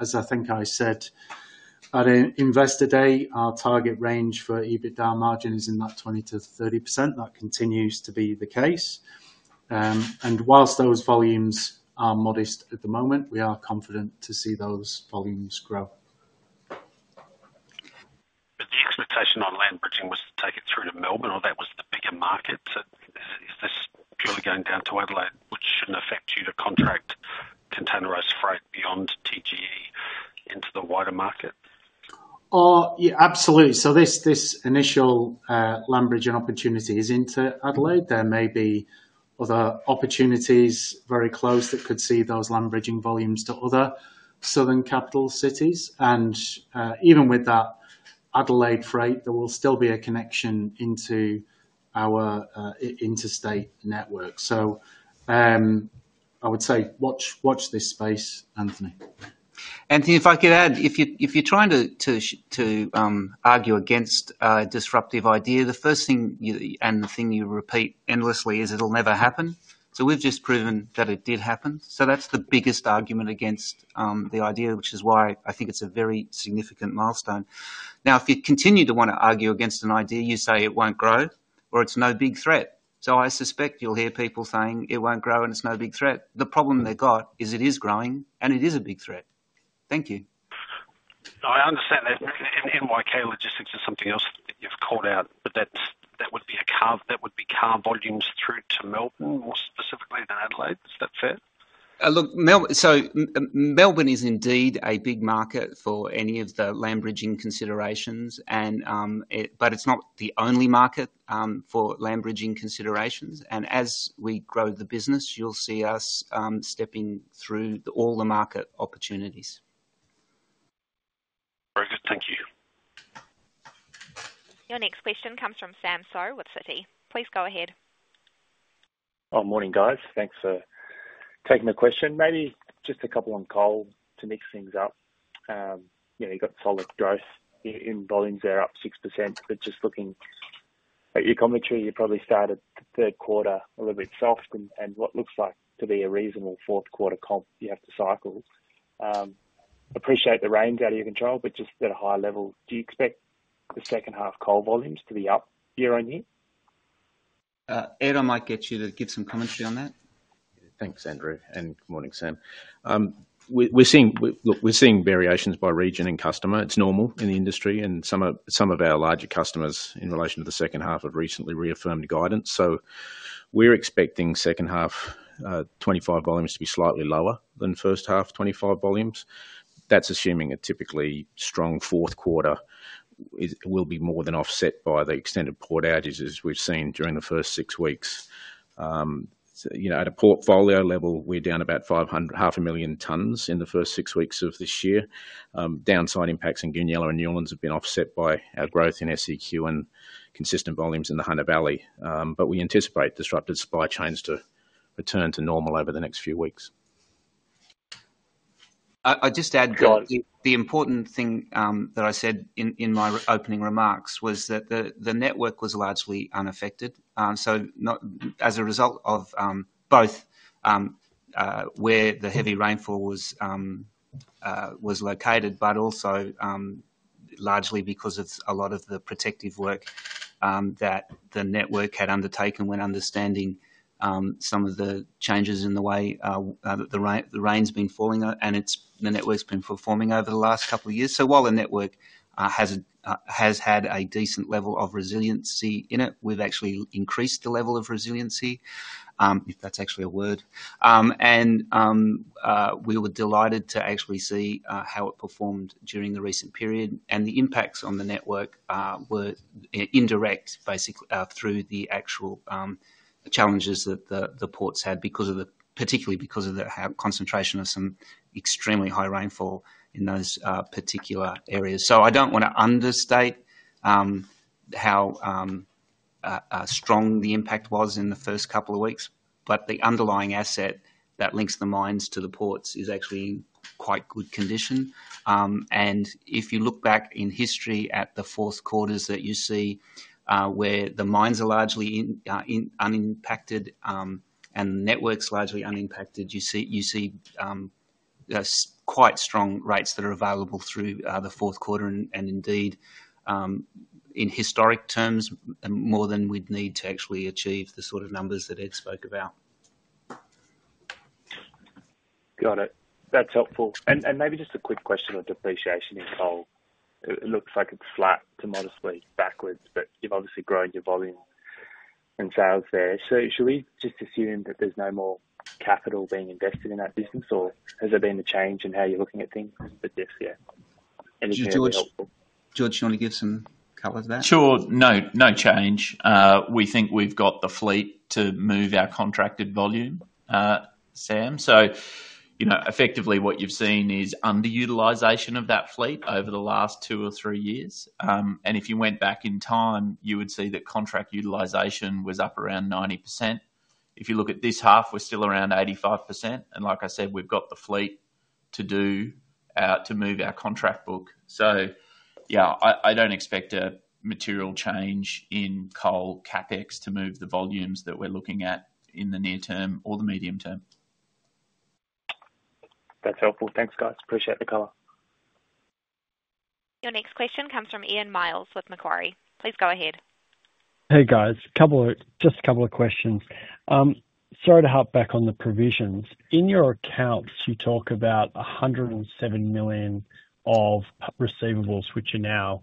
As I think I said, at Investor Day, our target range for EBITDA margin is in that 20%-30%. That continues to be the case. While those volumes are modest at the moment, we are confident to see those volumes grow. The expectation on land-bridging was to take it through to Melbourne, or that was the bigger market. Is this purely going down to Adelaide, which shouldn't affect you to contract Containerised Freight beyond TGE into the wider market? Absolutely. This initial land-bridging opportunity is into Adelaide. There may be other opportunities very close that could see those land-bridging volumes to other southern capital cities. And even with that Adelaide freight, there will still be a connection into our interstate network. So I would say watch this space, Anthony. Anthony, if I could add, if you're trying to argue against a disruptive idea, the first thing and the thing you repeat endlessly is it'll never happen. So we've just proven that it did happen. So that's the biggest argument against the idea, which is why I think it's a very significant milestone. Now, if you continue to want to argue against an idea, you say it won't grow or it's no big threat. So I suspect you'll hear people saying it won't grow and it's no big threat. The problem they've got is it is growing and it is a big threat. Thank you. I understand that NYK Logistics is something else that you've called out, but that would be car volumes through to Melbourne more specifically than Adelaide. Is that fair? Look, Melbourne is indeed a big market for any of the land-bridging considerations, but it's not the only market for land-bridging considerations. And as we grow the business, you'll see us stepping through all the market opportunities. Very good. Thank you. Your next question comes from Sam Seow with Citi. Please go ahead. Morning, guys. Thanks for taking the question. Maybe just a couple on Coal to mix things up. You've got solid growth in volumes there up 6%, but just looking at your commentary, you probably started the third quarter a little bit soft and what looks like to be a reasonable fourth quarter comp you have to cycle. Appreciate the rain's out of your control, but just at a high level, do you expect the second half Coal volumes to be up year-on-year? Ed, I might get you to give some commentary on that. Thanks, Andrew, and good morning, Sam. Look, we're seeing variations by region and customer. It's normal in the industry, and some of our larger customers in relation to the second half have recently reaffirmed guidance, so we're expecting second half 2025 volumes to be slightly lower than first half 2025 volumes. That's assuming a typically strong fourth quarter will be more than offset by the extended port outages we've seen during the first six weeks. At a portfolio level, we're down about 500,000 tonnes in the first six weeks of this year. Downside impacts in Goonyella and Newlands have been offset by our growth in SEQ and consistent volumes in the Hunter Valley. But we anticipate disruptive supply chains to return to normal over the next few weeks. I just add that the important thing that I said in my opening remarks was that the network was largely unaffected. So as a result of both where the heavy rainfall was located, but also largely because of a lot of the protective work that the Network had undertaken when understanding some of the changes in the way the rain's been falling and the Network's been performing over the last couple of years. So while the Network has had a decent level of resiliency in it, we've actually increased the level of resiliency, if that's actually a word. And we were delighted to actually see how it performed during the recent period. The impacts on the Network were indirect, basically, through the actual challenges that the ports had, particularly because of the concentration of some extremely high rainfall in those particular areas. So I don't want to understate how strong the impact was in the first couple of weeks, but the underlying asset that links the mines to the ports is actually in quite good condition. If you look back in history at the fourth quarters that you see where the mines are largely unimpacted and the Network's largely unimpacted, you see quite strong rates that are available through the fourth quarter. Indeed, in historic terms, more than we'd need to actually achieve the sort of numbers that Ed spoke about. Got it. That's helpful. Maybe just a quick question on depreciation in Coal. It looks like it's flat to modestly backward, but you've obviously grown your volume and sales there. So should we just assume that there's no more capital being invested in that business, or has there been a change in how you're looking at things this year? Anything that's helpful? George, do you want to give some color to that? Sure. No change. We think we've got the fleet to move our contracted volume, Sam. So effectively, what you've seen is underutilisation of that fleet over the last two or three years. And if you went back in time, you would see that contract utilisation was up around 90%. If you look at this half, we're still around 85%. And like I said, we've got the fleet to move our contract book. So yeah, I don't expect a material change in Coal CapEx to move the volumes that we're looking at in the near term or the medium term. That's helpful. Thanks, guys. Appreciate the color. Your next question comes from Ian Myles with Macquarie. Please go ahead. Hey, guys. Just a couple of questions. Sorry to hop back on the provisions. In your accounts, you talk about $107 million of receivables, which are now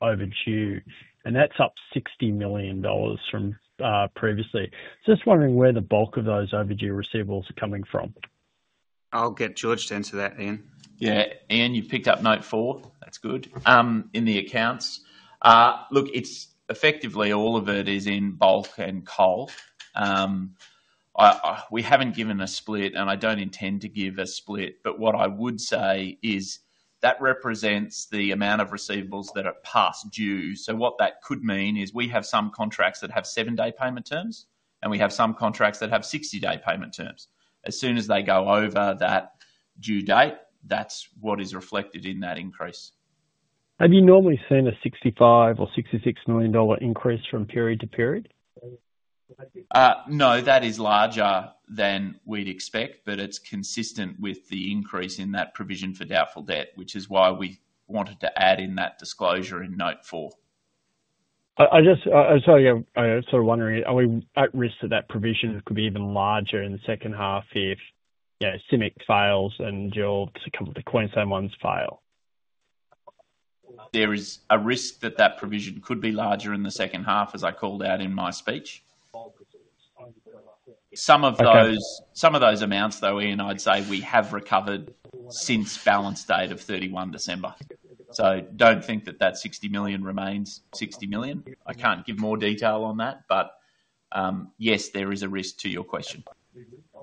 overdue. And that's up $60 million from previously. Just wondering where the Bulk of those overdue receivables are coming from. I'll get George to answer that, Ian. Yeah. Ian, you picked up note four. That's good. In the accounts, look, effectively, all of it is in Bulk and Coal. We haven't given a split, and I don't intend to give a split. What I would say is that represents the amount of receivables that are past due. So what that could mean is we have some contracts that have seven-day payment terms, and we have some contracts that have 60-day payment terms. As soon as they go over that due date, that's what is reflected in that increase. Have you normally seen a $65 million or $66 million increase from period to period? No, that is larger than we'd expect, but it's consistent with the increase in that provision for doubtful debt, which is why we wanted to add in that disclosure in note four. I'm sorry, I was sort of wondering, are we at risk that that provision could be even larger in the second half if, yeah, SIMEC fails and the Queensland ones fail? There is a risk that that provision could be larger in the second half, as I called out in my speech. Some of those amounts, though, Ian, I'd say we have recovered since balance date of 31 December. So don't think that that $60 million remains $60 million. I can't give more detail on that, but yes, there is a risk to your question.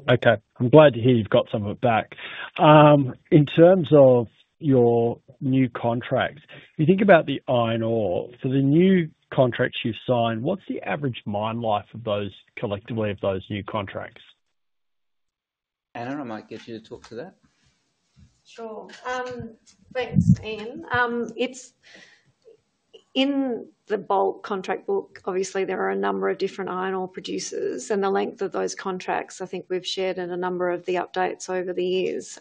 Okay. I'm glad to hear you've got some of it back. In terms of your new contracts, if you think about the iron ore, for the new contracts you've signed, what's the average mine life collectively of those new contracts? Anna might get you to talk to that. Sure. Thanks, Ian. In the Bulk contract book, obviously, there are a number of different iron ore producers, and the length of those contracts, I think we've shared in a number of the updates over the years.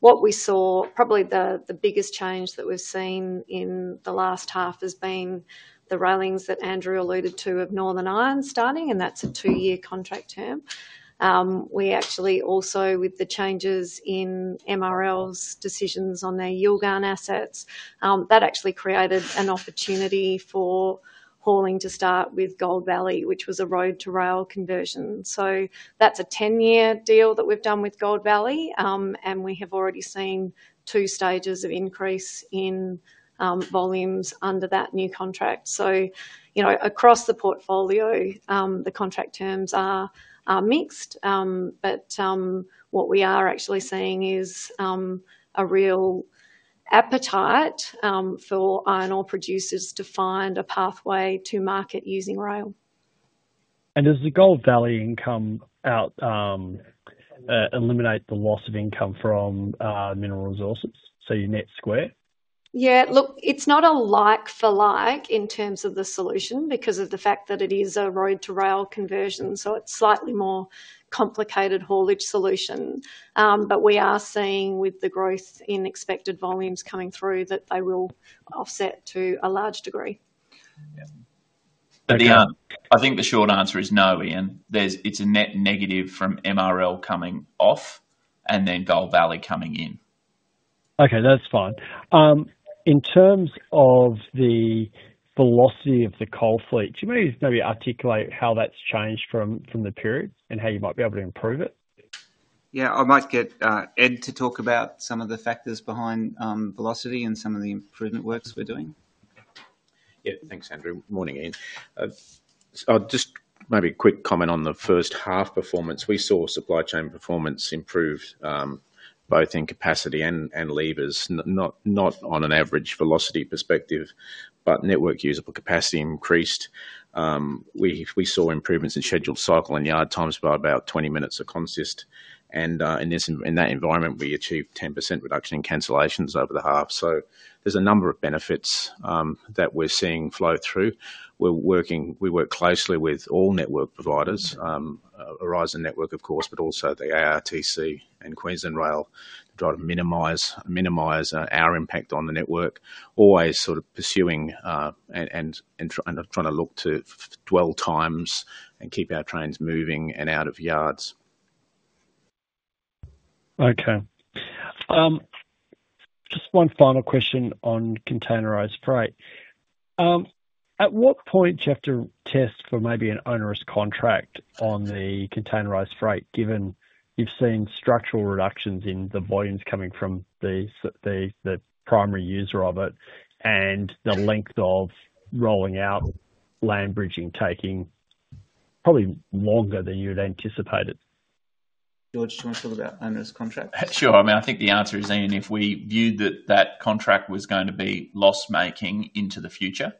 What we saw, probably the biggest change that we've seen in the last half, has been the hauling that Andrew alluded to of Northern Iron starting, and that's a two-year contract term. We actually also, with the changes in MRL's decisions on their Yilgarn assets, that actually created an opportunity for hauling to start with Gold Valley, which was a road-to-rail conversion. So that's a 10-year deal that we've done with Gold Valley, and we have already seen two stages of increase in volumes under that new contract. So across the portfolio, the contract terms are mixed, but what we are actually seeing is a real appetite for iron ore producers to find a pathway to market using rail. And does the Gold Valley income eliminate the loss of income from Mineral Resources? So your net square? Yeah. Look, it's not a like-for-like in terms of the solution because of the fact that it is a road-to-rail conversion. So it's slightly more complicated haulage solution. But we are seeing, with the growth in expected volumes coming through, that they will offset to a large degree. I think the short answer is no, Ian. It's a net negative from MRL coming off and then Gold Valley coming in. Okay. That's fine. In terms of the velocity of the Coal fleet, do you want to maybe articulate how that's changed from the period and how you might be able to improve it? Yeah. I might get Ed to talk about some of the factors behind velocity and some of the improvement works we're doing. Yeah. Thanks, Andrew. Morning, Ian. Just maybe a quick comment on the first half performance. We saw supply chain performance improve both in capacity and levers, not on an average velocity perspective, but Network usable capacity increased. We saw improvements in scheduled cycle and yard times by about 20 minutes of consist, and in that environment, we achieved 10% reduction in cancellations over the half, so there's a number of benefits that we're seeing flow through. We work closely with all Network providers, Aurizon Network, of course, but also the ARTC and Queensland Rail, to try to minimize our impact on the Network, always sort of pursuing and trying to look to dwell times and keep our trains moving and out of yards. Okay. Just one final question on Containerised Freight. At what point do you have to test for maybe an onerous contract on the Containerised Freight, given you've seen structural reductions in the volumes coming from the primary user of it and the length of rolling out land-bridging taking probably longer than you had anticipated? George, do you want to talk about onerous contracts? Sure. I mean, I think the answer is, Ian, if we viewed that that contract was going to be loss-making into the future,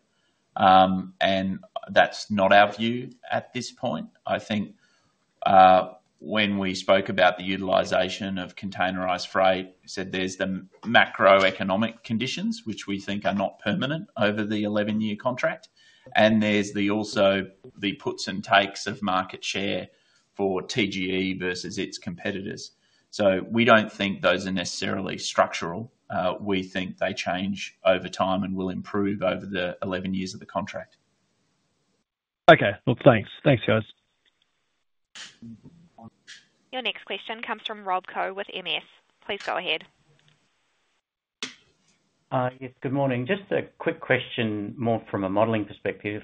and that's not our view at this point. I think when we spoke about the utilisation of Containerised Freight, we said there's the macroeconomic conditions, which we think are not permanent over the 11-year contract, and there's also the puts and takes of market share for TGE versus its competitors. So we don't think those are necessarily structural. We think they change over time and will improve over the 11 years of the contract. Okay. Well, thanks. Thanks, guys. Your next question comes from Rob Koh with MS. Please go ahead. Yes. Good morning. Just a quick question, more from a modelling perspective.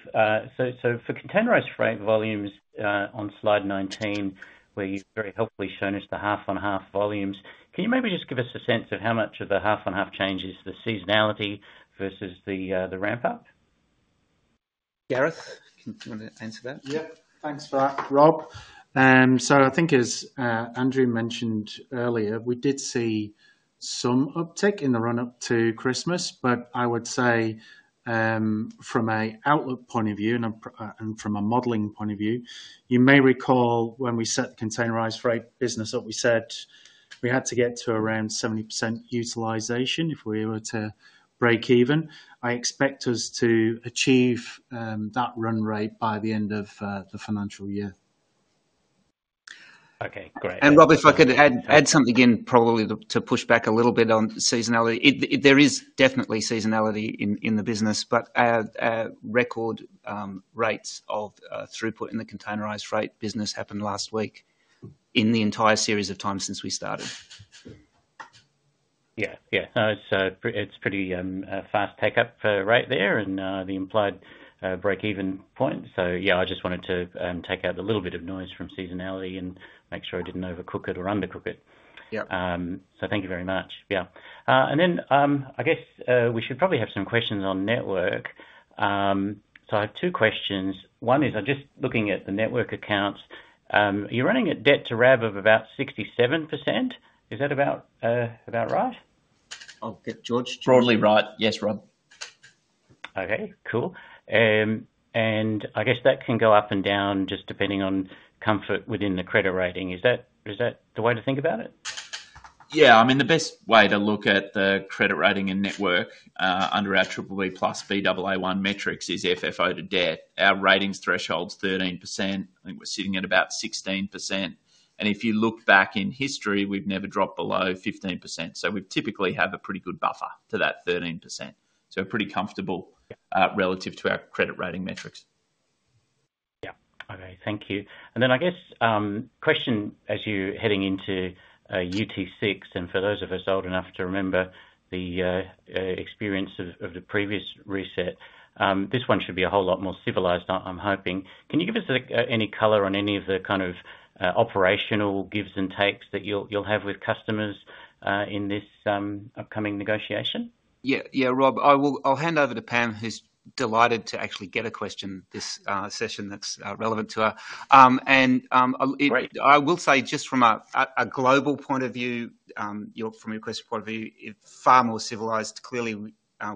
So for Containerised Freight volumes on slide 19, where you've very helpfully shown us the half-on-half volumes, can you maybe just give us a sense of how much of the half-on-half changes the seasonality versus the ramp-up? Gareth, do you want to answer that? Yep. Thanks for that, Rob. So I think, as Andrew mentioned earlier, we did see some uptick in the run-up to Christmas, but I would say from an outlook point of view and from a modeling point of view, you may recall when we set the Containerised Freight business up, we said we had to get to around 70% utilisation if we were to break even. I expect us to achieve that run rate by the end of the financial year. Okay. Great. And Rob, if I could add something in, probably to push back a little bit on seasonality. There is definitely seasonality in the business, but our record rates of throughput in the Containerised Freight business happened last week in the entire series of times since we started. Yeah. Yeah. It's a pretty fast take-up rate there and the implied break-even point. So yeah, I just wanted to take out a little bit of noise from seasonality and make sure I didn't overcook it or undercook it. So thank you very much. Yeah. And then I guess we should probably have some questions on Network. So I have two questions. One is, I'm just looking at the Network accounts. You're running a debt-to-rev of about 67%. Is that about right? I'll get George to. Probably right. Yes, Rob. Okay. Cool. And I guess that can go up and down just depending on comfort within the credit rating. Is that the way to think about it? Yeah. I mean, the best way to look at the credit rating and Network under our BBB+/Baa1 metrics is FFO to debt. Our ratings threshold's 13%. I think we're sitting at about 16%. And if you look back in history, we've never dropped below 15%. So we typically have a pretty good buffer to that 13%. So we're pretty comfortable relative to our credit rating metrics. Yeah. Okay. Thank you. And then I guess question as you're heading into UT6, and for those of us old enough to remember the experience of the previous reset, this one should be a whole lot more civilized, I'm hoping. Can you give us any color on any of the kind of operational gives and takes that you'll have with customers in this upcoming negotiation? Yeah. Yeah, Rob. I'll hand over to Pam. He's delighted to actually get a question this session that's relevant to her. And I will say just from a global point of view, from your question point of view, far more civilized. Clearly,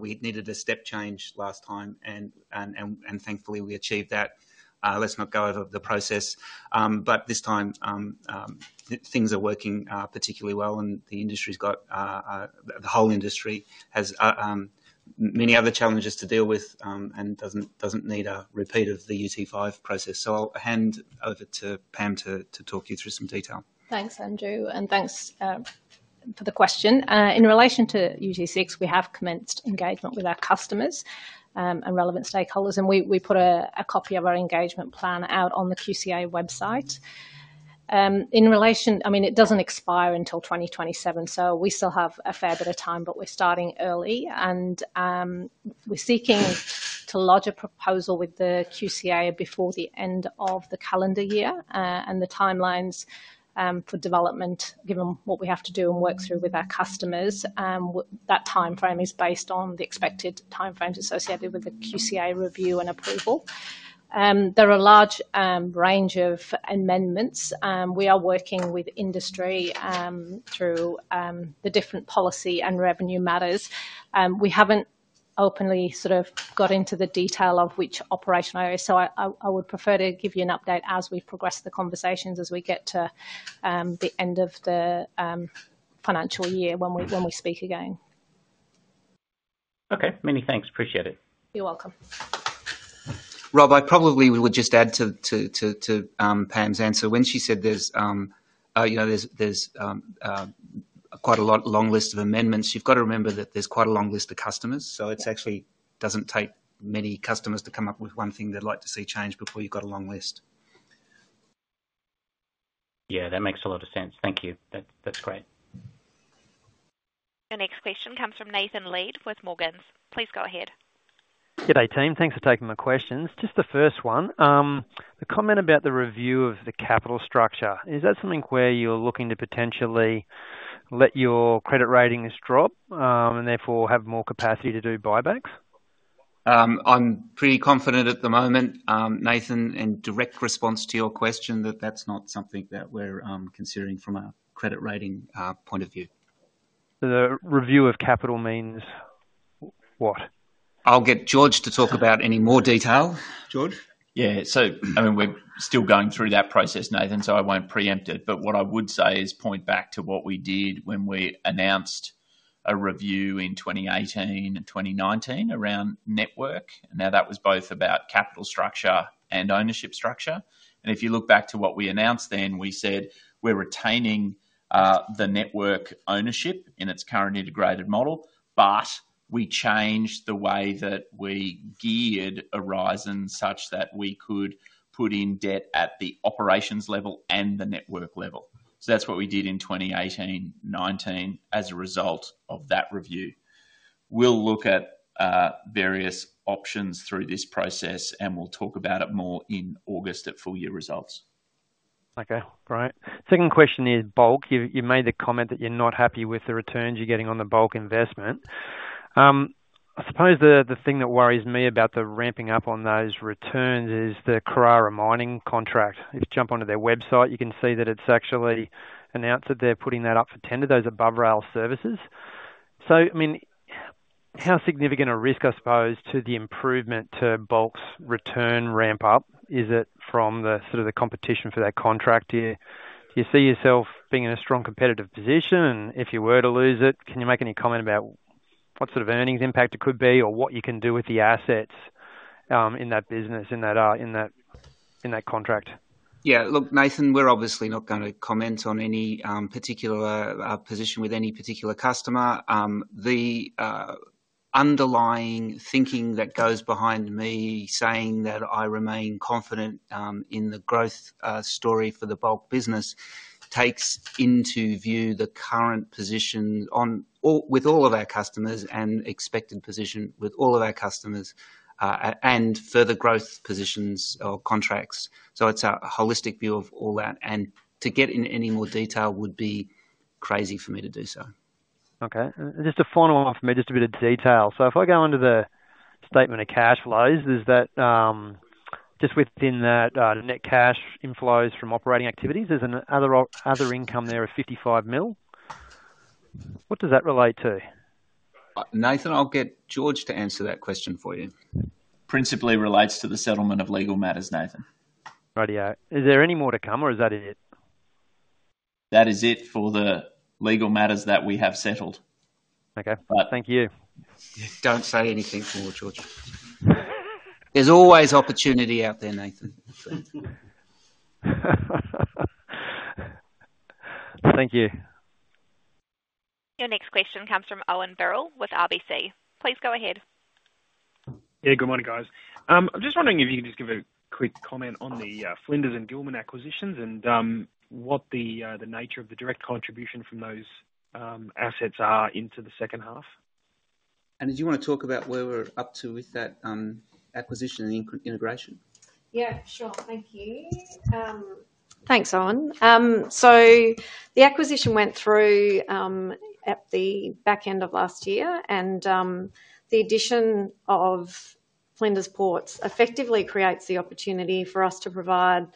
we needed a step change last time, and thankfully, we achieved that. Let's not go over the process. But this time, things are working particularly well, and the industry's got. The whole industry has many other challenges to deal with and doesn't need a repeat of the UT5 process. So I'll hand over to Pam to talk you through some detail. Thanks, Andrew. And thanks for the question. In relation to UT6, we have commenced engagement with our customers and relevant stakeholders, and we put a copy of our engagement plan out on the QCA website. I mean, it doesn't expire until 2027, so we still have a fair bit of time, but we're starting early. And we're seeking to lodge a proposal with the QCA before the end of the calendar year. And the timelines for development, given what we have to do and work through with our customers, that timeframe is based on the expected timeframes associated with the QCA review and approval. There are a large range of amendments. We are working with industry through the different policy and revenue matters. We haven't openly sort of got into the detail of which operation area, so I would prefer to give you an update as we progress the conversations as we get to the end of the financial year when we speak again. Okay. Many thanks. Appreciate it. You're welcome. Rob, I probably would just add to Pam's answer. When she said there's quite a long list of amendments, you've got to remember that there's quite a long list of customers. So it actually doesn't take many customers to come up with one thing they'd like to see changed before you've got a long list. Yeah. That makes a lot of sense. Thank you. That's great. Your next question comes from Nathan Lead with Morgans. Please go ahead. Good day, team. Thanks for taking my questions. Just the first one, the comment about the review of the capital structure. Is that something where you're looking to potentially let your credit ratings drop and therefore have more capacity to do buybacks? I'm pretty confident at the moment, Nathan, in direct response to your question that that's not something that we're considering from a credit rating point of view. The review of capital means what? I'll get George to talk about any more detail. George? Yeah. So I mean, we're still going through that process, Nathan, so I won't preempt it. But what I would say is point back to what we did when we announced a review in 2018 and 2019 around network. Now, that was both about capital structure and ownership structure. And if you look back to what we announced then, we said we're retaining the Network ownership in its current integrated model, but we changed the way that we geared Aurizon such that we could put in debt at the Operations level and the Network level. So that's what we did in 2018, 2019 as a result of that review. We'll look at various options through this process, and we'll talk about it more in August at full-year results. Okay. Great. Second question is Bulk. You've made the comment that you're not happy with the returns you're getting on the Bulk investment. I suppose the thing that worries me about the ramping up on those returns is the Karara Mining contract. If you jump onto their website, you can see that it's actually announced that they're putting that up for 10 of those above-rail services. So I mean, how significant a risk, I suppose, to the improvement to Bulk's return ramp-up is it from sort of the competition for that contract? Do you see yourself being in a strong competitive position if you were to lose it? Can you make any comment about what sort of earnings impact it could be or what you can do with the assets in that business, in that contract? Yeah. Look, Nathan, we're obviously not going to comment on any particular position with any particular customer. The underlying thinking that goes behind me saying that I remain confident in the growth story for the Bulk business takes into view the current position with all of our customers and expected position with all of our customers and further growth positions or contracts. So it's a holistic view of all that. To get in any more detail would be crazy for me to do so. Okay. Just a final one for me, just a bit of detail. So if I go under the statement of cash flows, just within that net cash inflows from operating activities, there's another income there of $55 million. What does that relate to? Nathan, I'll get George to answer that question for you. Principally relates to the settlement of legal matters, Nathan. Right. Yeah. Is there any more to come, or is that it? That is it for the legal matters that we have settled. Okay. Thank you. Don't say anything more, George. There's always opportunity out there, Nathan. Thank you. Your next question comes from Owen Birrell with RBC. Please go ahead. Yeah. Good morning, guys. I'm just wondering if you could just give a quick comment on the Flinders and Gillman acquisitions and what the nature of the direct contribution from those assets are into the second half. And did you want to talk about where we're up to with that acquisition and integration? Yeah. Sure. Thank you. Thanks, Owen. So the acquisition went through at the back end of last year, and the addition of Flinders Ports effectively creates the opportunity for us to provide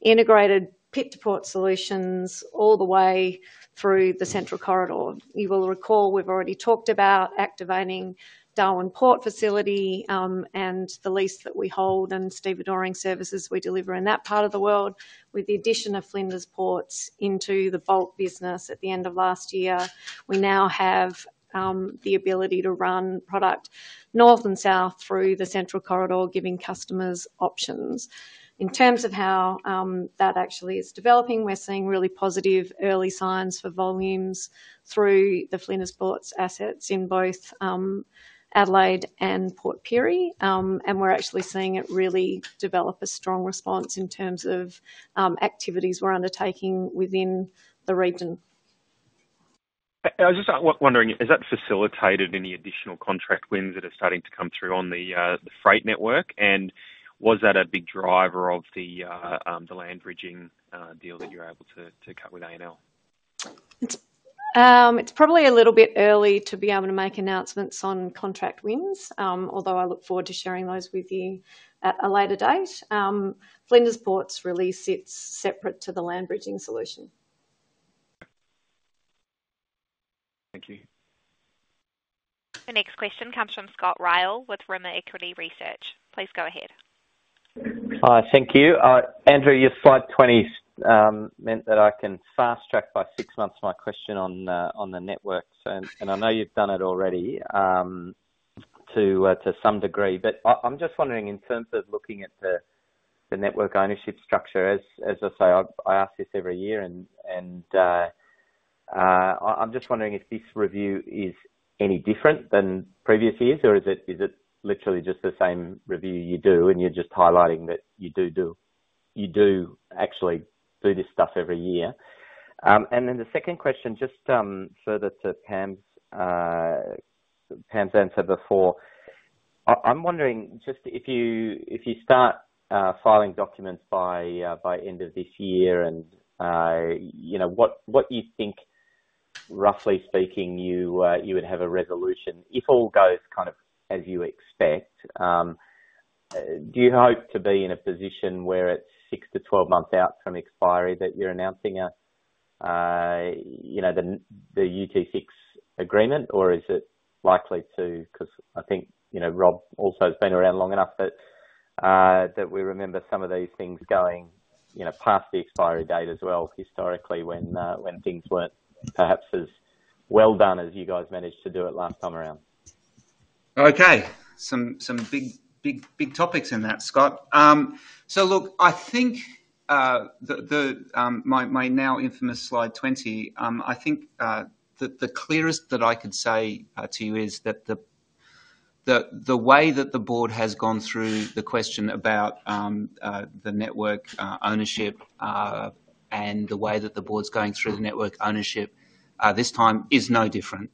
integrated pit-to-port solutions all the way through the Central Corridor. You will recall we've already talked about activating Darwin Port facility and the lease that we hold and stevedoring services we deliver in that part of the world. With the addition of Flinders Ports into the Bulk business at the end of last year, we now have the ability to run product north and south through the Central Corridor, giving customers options. In terms of how that actually is developing, we're seeing really positive early signs for volumes through the Flinders Ports assets in both Adelaide and Port Pirie. We're actually seeing it really develop a strong response in terms of activities we're undertaking within the region. I was just wondering, has that facilitated any additional contract wins that are starting to come through on the freight network? And was that a big driver of the land-bridging deal that you're able to cut with ANL? It's probably a little bit early to be able to make announcements on contract wins, although I look forward to sharing those with you at a later date. Flinders Ports lease is separate to the land-bridging solution. Thank you. Your next question comes from Scott Ryall with Rimor Equity Research. Please go ahead. Thank you. Andrew, your slide 20 meant that I can fast track by six months my question on the Network. And I know you've done it already to some degree. But I'm just wondering, in terms of looking at the Network ownership structure, as I say, I ask this every year. And I'm just wondering if this review is any different than previous years, or is it literally just the same review you do, and you're just highlighting that you do actually do this stuff every year? And then the second question, just further to Pam's answer before. I'm wondering just if you start filing documents by end of this year and what you think, roughly speaking, you would have a resolution if all goes kind of as you expect. Do you hope to be in a position where it's 6 months-12 months out from expiry that you're announcing the UT6 agreement, or is it likely to? Because I think Rob also has been around long enough that we remember some of these things going past the expiry date as well, historically, when things weren't perhaps as well done as you guys managed to do it last time around. Okay. Some big topics in that, Scott. So, look. I think my now infamous slide 20. I think the clearest that I could say to you is that the way that the Board has gone through the question about the Network ownership and the way that the Board's going through the Network ownership this time is no different.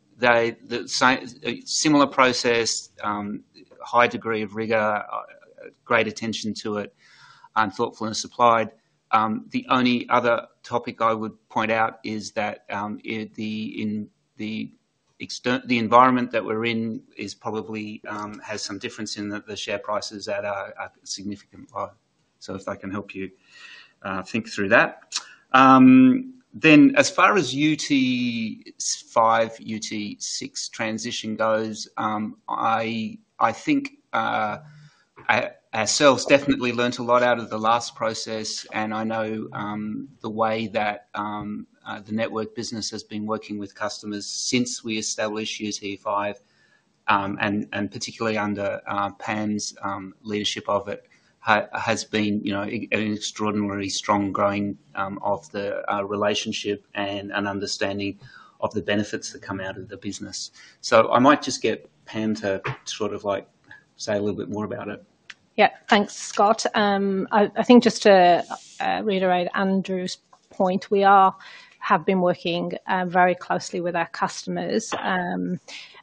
Similar process, high degree of rigor, great attention to it, and thoughtfulness applied. The only other topic I would point out is that the environment that we're in has some difference in that the share prices are at a significant low. So if that can help you think through that. Then, as far as the UT5, UT6 transition goes, I think ourselves definitely learned a lot out of the last process. I know the way that the Network business has been working with customers since we established UT5, and particularly under Pam's leadership of it, has been an extraordinarily strong growing of the relationship and understanding of the benefits that come out of the business. I might just get Pam to sort of say a little bit more about it. Yeah. Thanks, Scott. I think just to reiterate Andrew's point, we have been working very closely with our customers,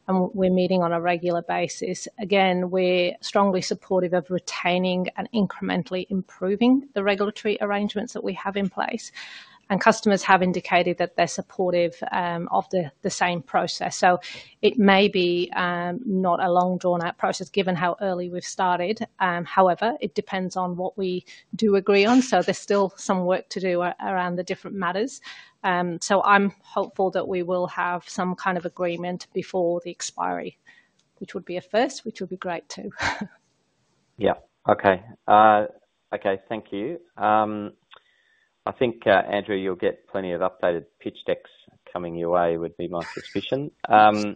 and we're meeting on a regular basis. Again, we're strongly supportive of retaining and incrementally improving the regulatory arrangements that we have in place. Customers have indicated that they're supportive of the same process. It may be not a long drawn-out process given how early we've started. However, it depends on what we do agree on. There's still some work to do around the different matters. So I'm hopeful that we will have some kind of agreement before the expiry, which would be a first, which would be great too. Yeah. Okay. Okay. Thank you. I think, Andrew, you'll get plenty of updated pitch decks coming your way, would be my suspicion. Can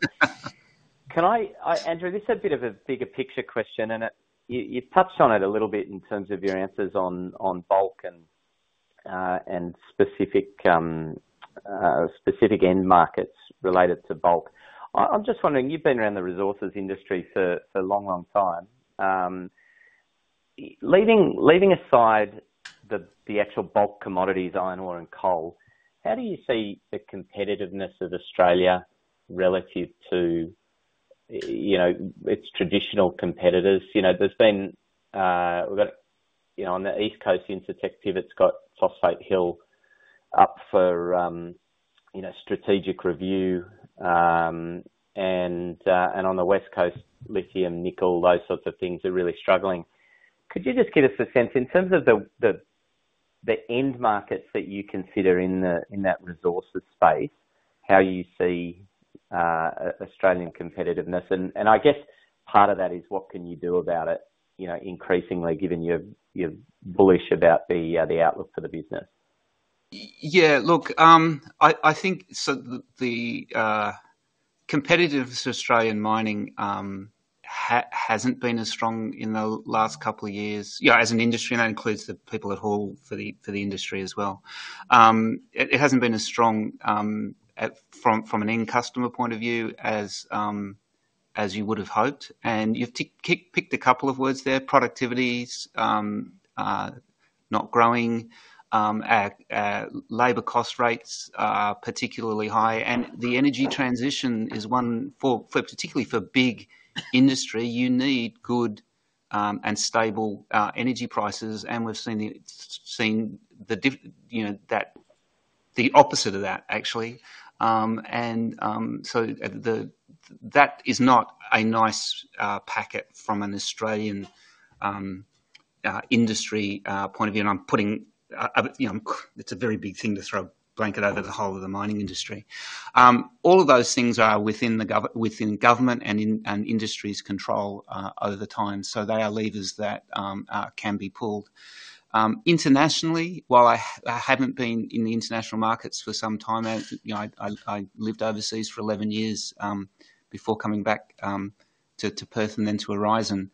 I? Andrew, this is a bit of a bigger picture question, and you've touched on it a little bit in terms of your answers on Bulk and specific end markets related to Bulk. I'm just wondering, you've been around the resources industry for a long, long time. Leaving aside the actual Bulk commodities, iron ore, and coal, how do you see the competitiveness of Australia relative to its traditional competitors? There's been on the East Coast, Incitec Pivot's got Phosphate Hill up for strategic review. And on the West Coast, lithium, nickel, those sorts of things are really struggling. Could you just give us a sense in terms of the end markets that you consider in that resources space, how you see Australian competitiveness? And I guess part of that is what can you do about it increasingly, given you're bullish about the outlook for the business? Yeah. Look, I think the competitiveness of Australian mining hasn't been as strong in the last couple of years as an industry. And that includes the people that haul for the industry as well. It hasn't been as strong from an end-customer point of view as you would have hoped. And you've picked a couple of words there: productivity's not growing, labour cost rates are particularly high. And the energy transition is one, particularly for big industry. You need good and stable energy prices. And we've seen the opposite of that, actually. And so that is not a nice packet from an Australian industry point of view. And it's a very big thing to throw a blanket over the whole of the mining industry. All of those things are within government and industry's control over time. So they are levers that can be pulled. Internationally, while I haven't been in the international markets for some time, I lived overseas for 11 years before coming back to Perth and then to Aurizon.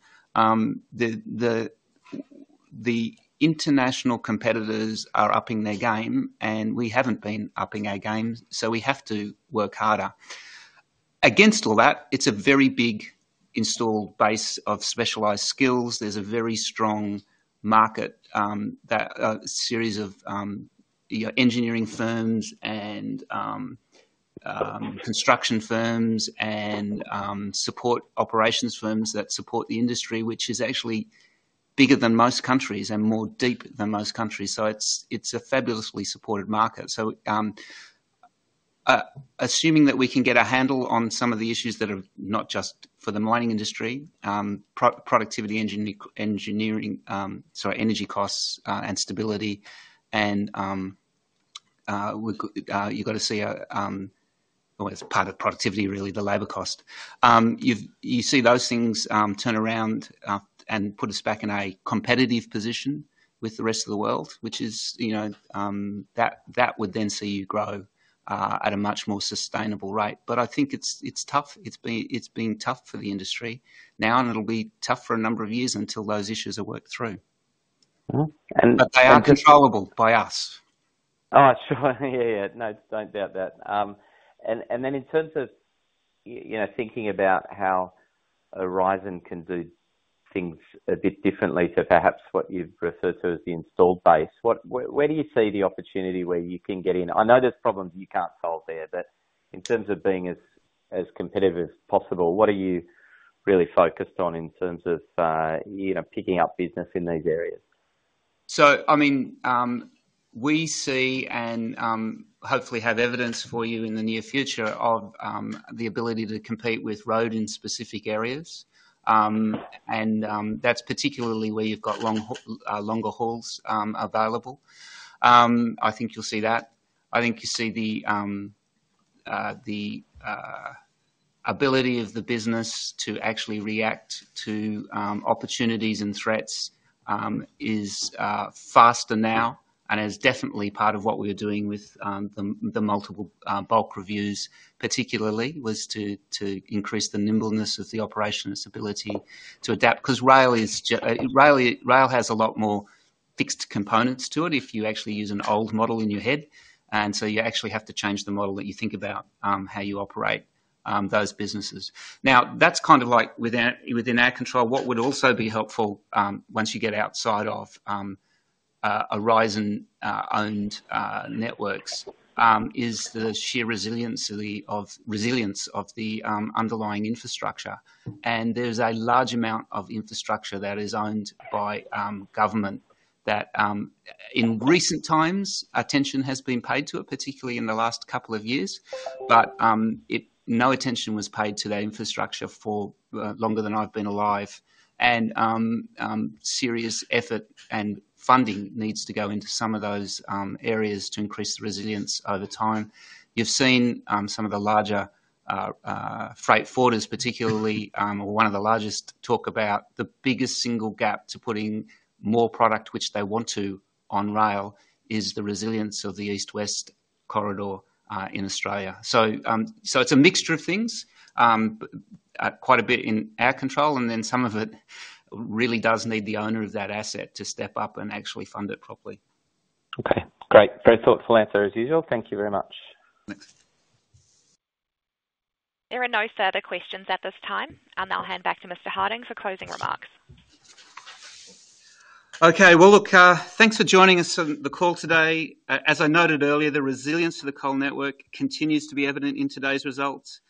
The international competitors are upping their game, and we haven't been upping our game. So we have to work harder. Against all that, it's a very big installed base of specialized skills. There's a very strong market, a series of engineering firms and construction firms and operations firms that support the industry, which is actually bigger than most countries and more deep than most countries. So it's a fabulously supported market. Assuming that we can get a handle on some of the issues that are not just for the mining industry: productivity, engineering, sorry, energy costs and stability. You've got to see, well, it's part of productivity, really, the labour cost. You see those things turn around and put us back in a competitive position with the rest of the world, which is that would then see you grow at a much more sustainable rate. I think it's tough. It's been tough for the industry now, and it'll be tough for a number of years until those issues are worked through. They are controllable by us. Oh, sure. Yeah. Yeah. No, don't doubt that. And then in terms of thinking about how Aurizon can do things a bit differently to perhaps what you've referred to as the installed base, where do you see the opportunity where you can get in? I know there's problems you can't solve there. But in terms of being as competitive as possible, what are you really focused on in terms of picking up business in these areas? So, I mean, we see and hopefully have evidence for you in the near future of the ability to compete with road in specific areas. And that's particularly where you've got longer hauls available. I think you'll see that. I think you see the ability of the business to actually react to opportunities and threats is faster now. And it's definitely part of what we were doing with the multiple Bulk reviews, particularly, was to increase the nimbleness of the operation and stability to adapt. Because rail has a lot more fixed components to it if you actually use an old model in your head. And so you actually have to change the model that you think about how you operate those businesses. Now, that's kind of like within our control. What would also be helpful once you get outside of Aurizon-owned networks is the sheer resilience of the underlying infrastructure. And there's a large amount of infrastructure that is owned by government that, in recent times, attention has been paid to it, particularly in the last couple of years. But no attention was paid to that infrastructure for longer than I've been alive. And serious effort and funding needs to go into some of those areas to increase the resilience over time. You've seen some of the larger freight forwarders, particularly one of the largest, talk about the biggest single gap to putting more product, which they want to, on rail is the resilience of the East-West Corridor in Australia. So it's a mixture of things, quite a bit in our control. And then some of it really does need the owner of that asset to step up and actually fund it properly. Okay. Great. Very thoughtful answer as usual. Thank you very much. Thanks. There are no further questions at this time. And I'll hand back to Mr. Harding for closing remarks. Okay. Well, look, thanks for joining us on the call today. As I noted earlier, the resilience of the Coal Network continues to be evident in today's results.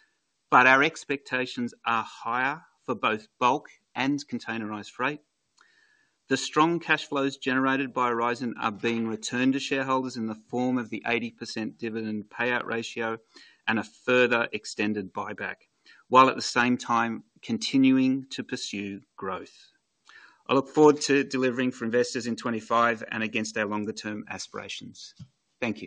But our expectations are higher for both Bulk and Containerised Freight. The strong cash flows generated by Aurizon are being returned to shareholders in the form of the 80% dividend payout ratio and a further extended buyback, while at the same time continuing to pursue growth. I look forward to delivering for investors in 2025 and against our longer-term aspirations. Thank you.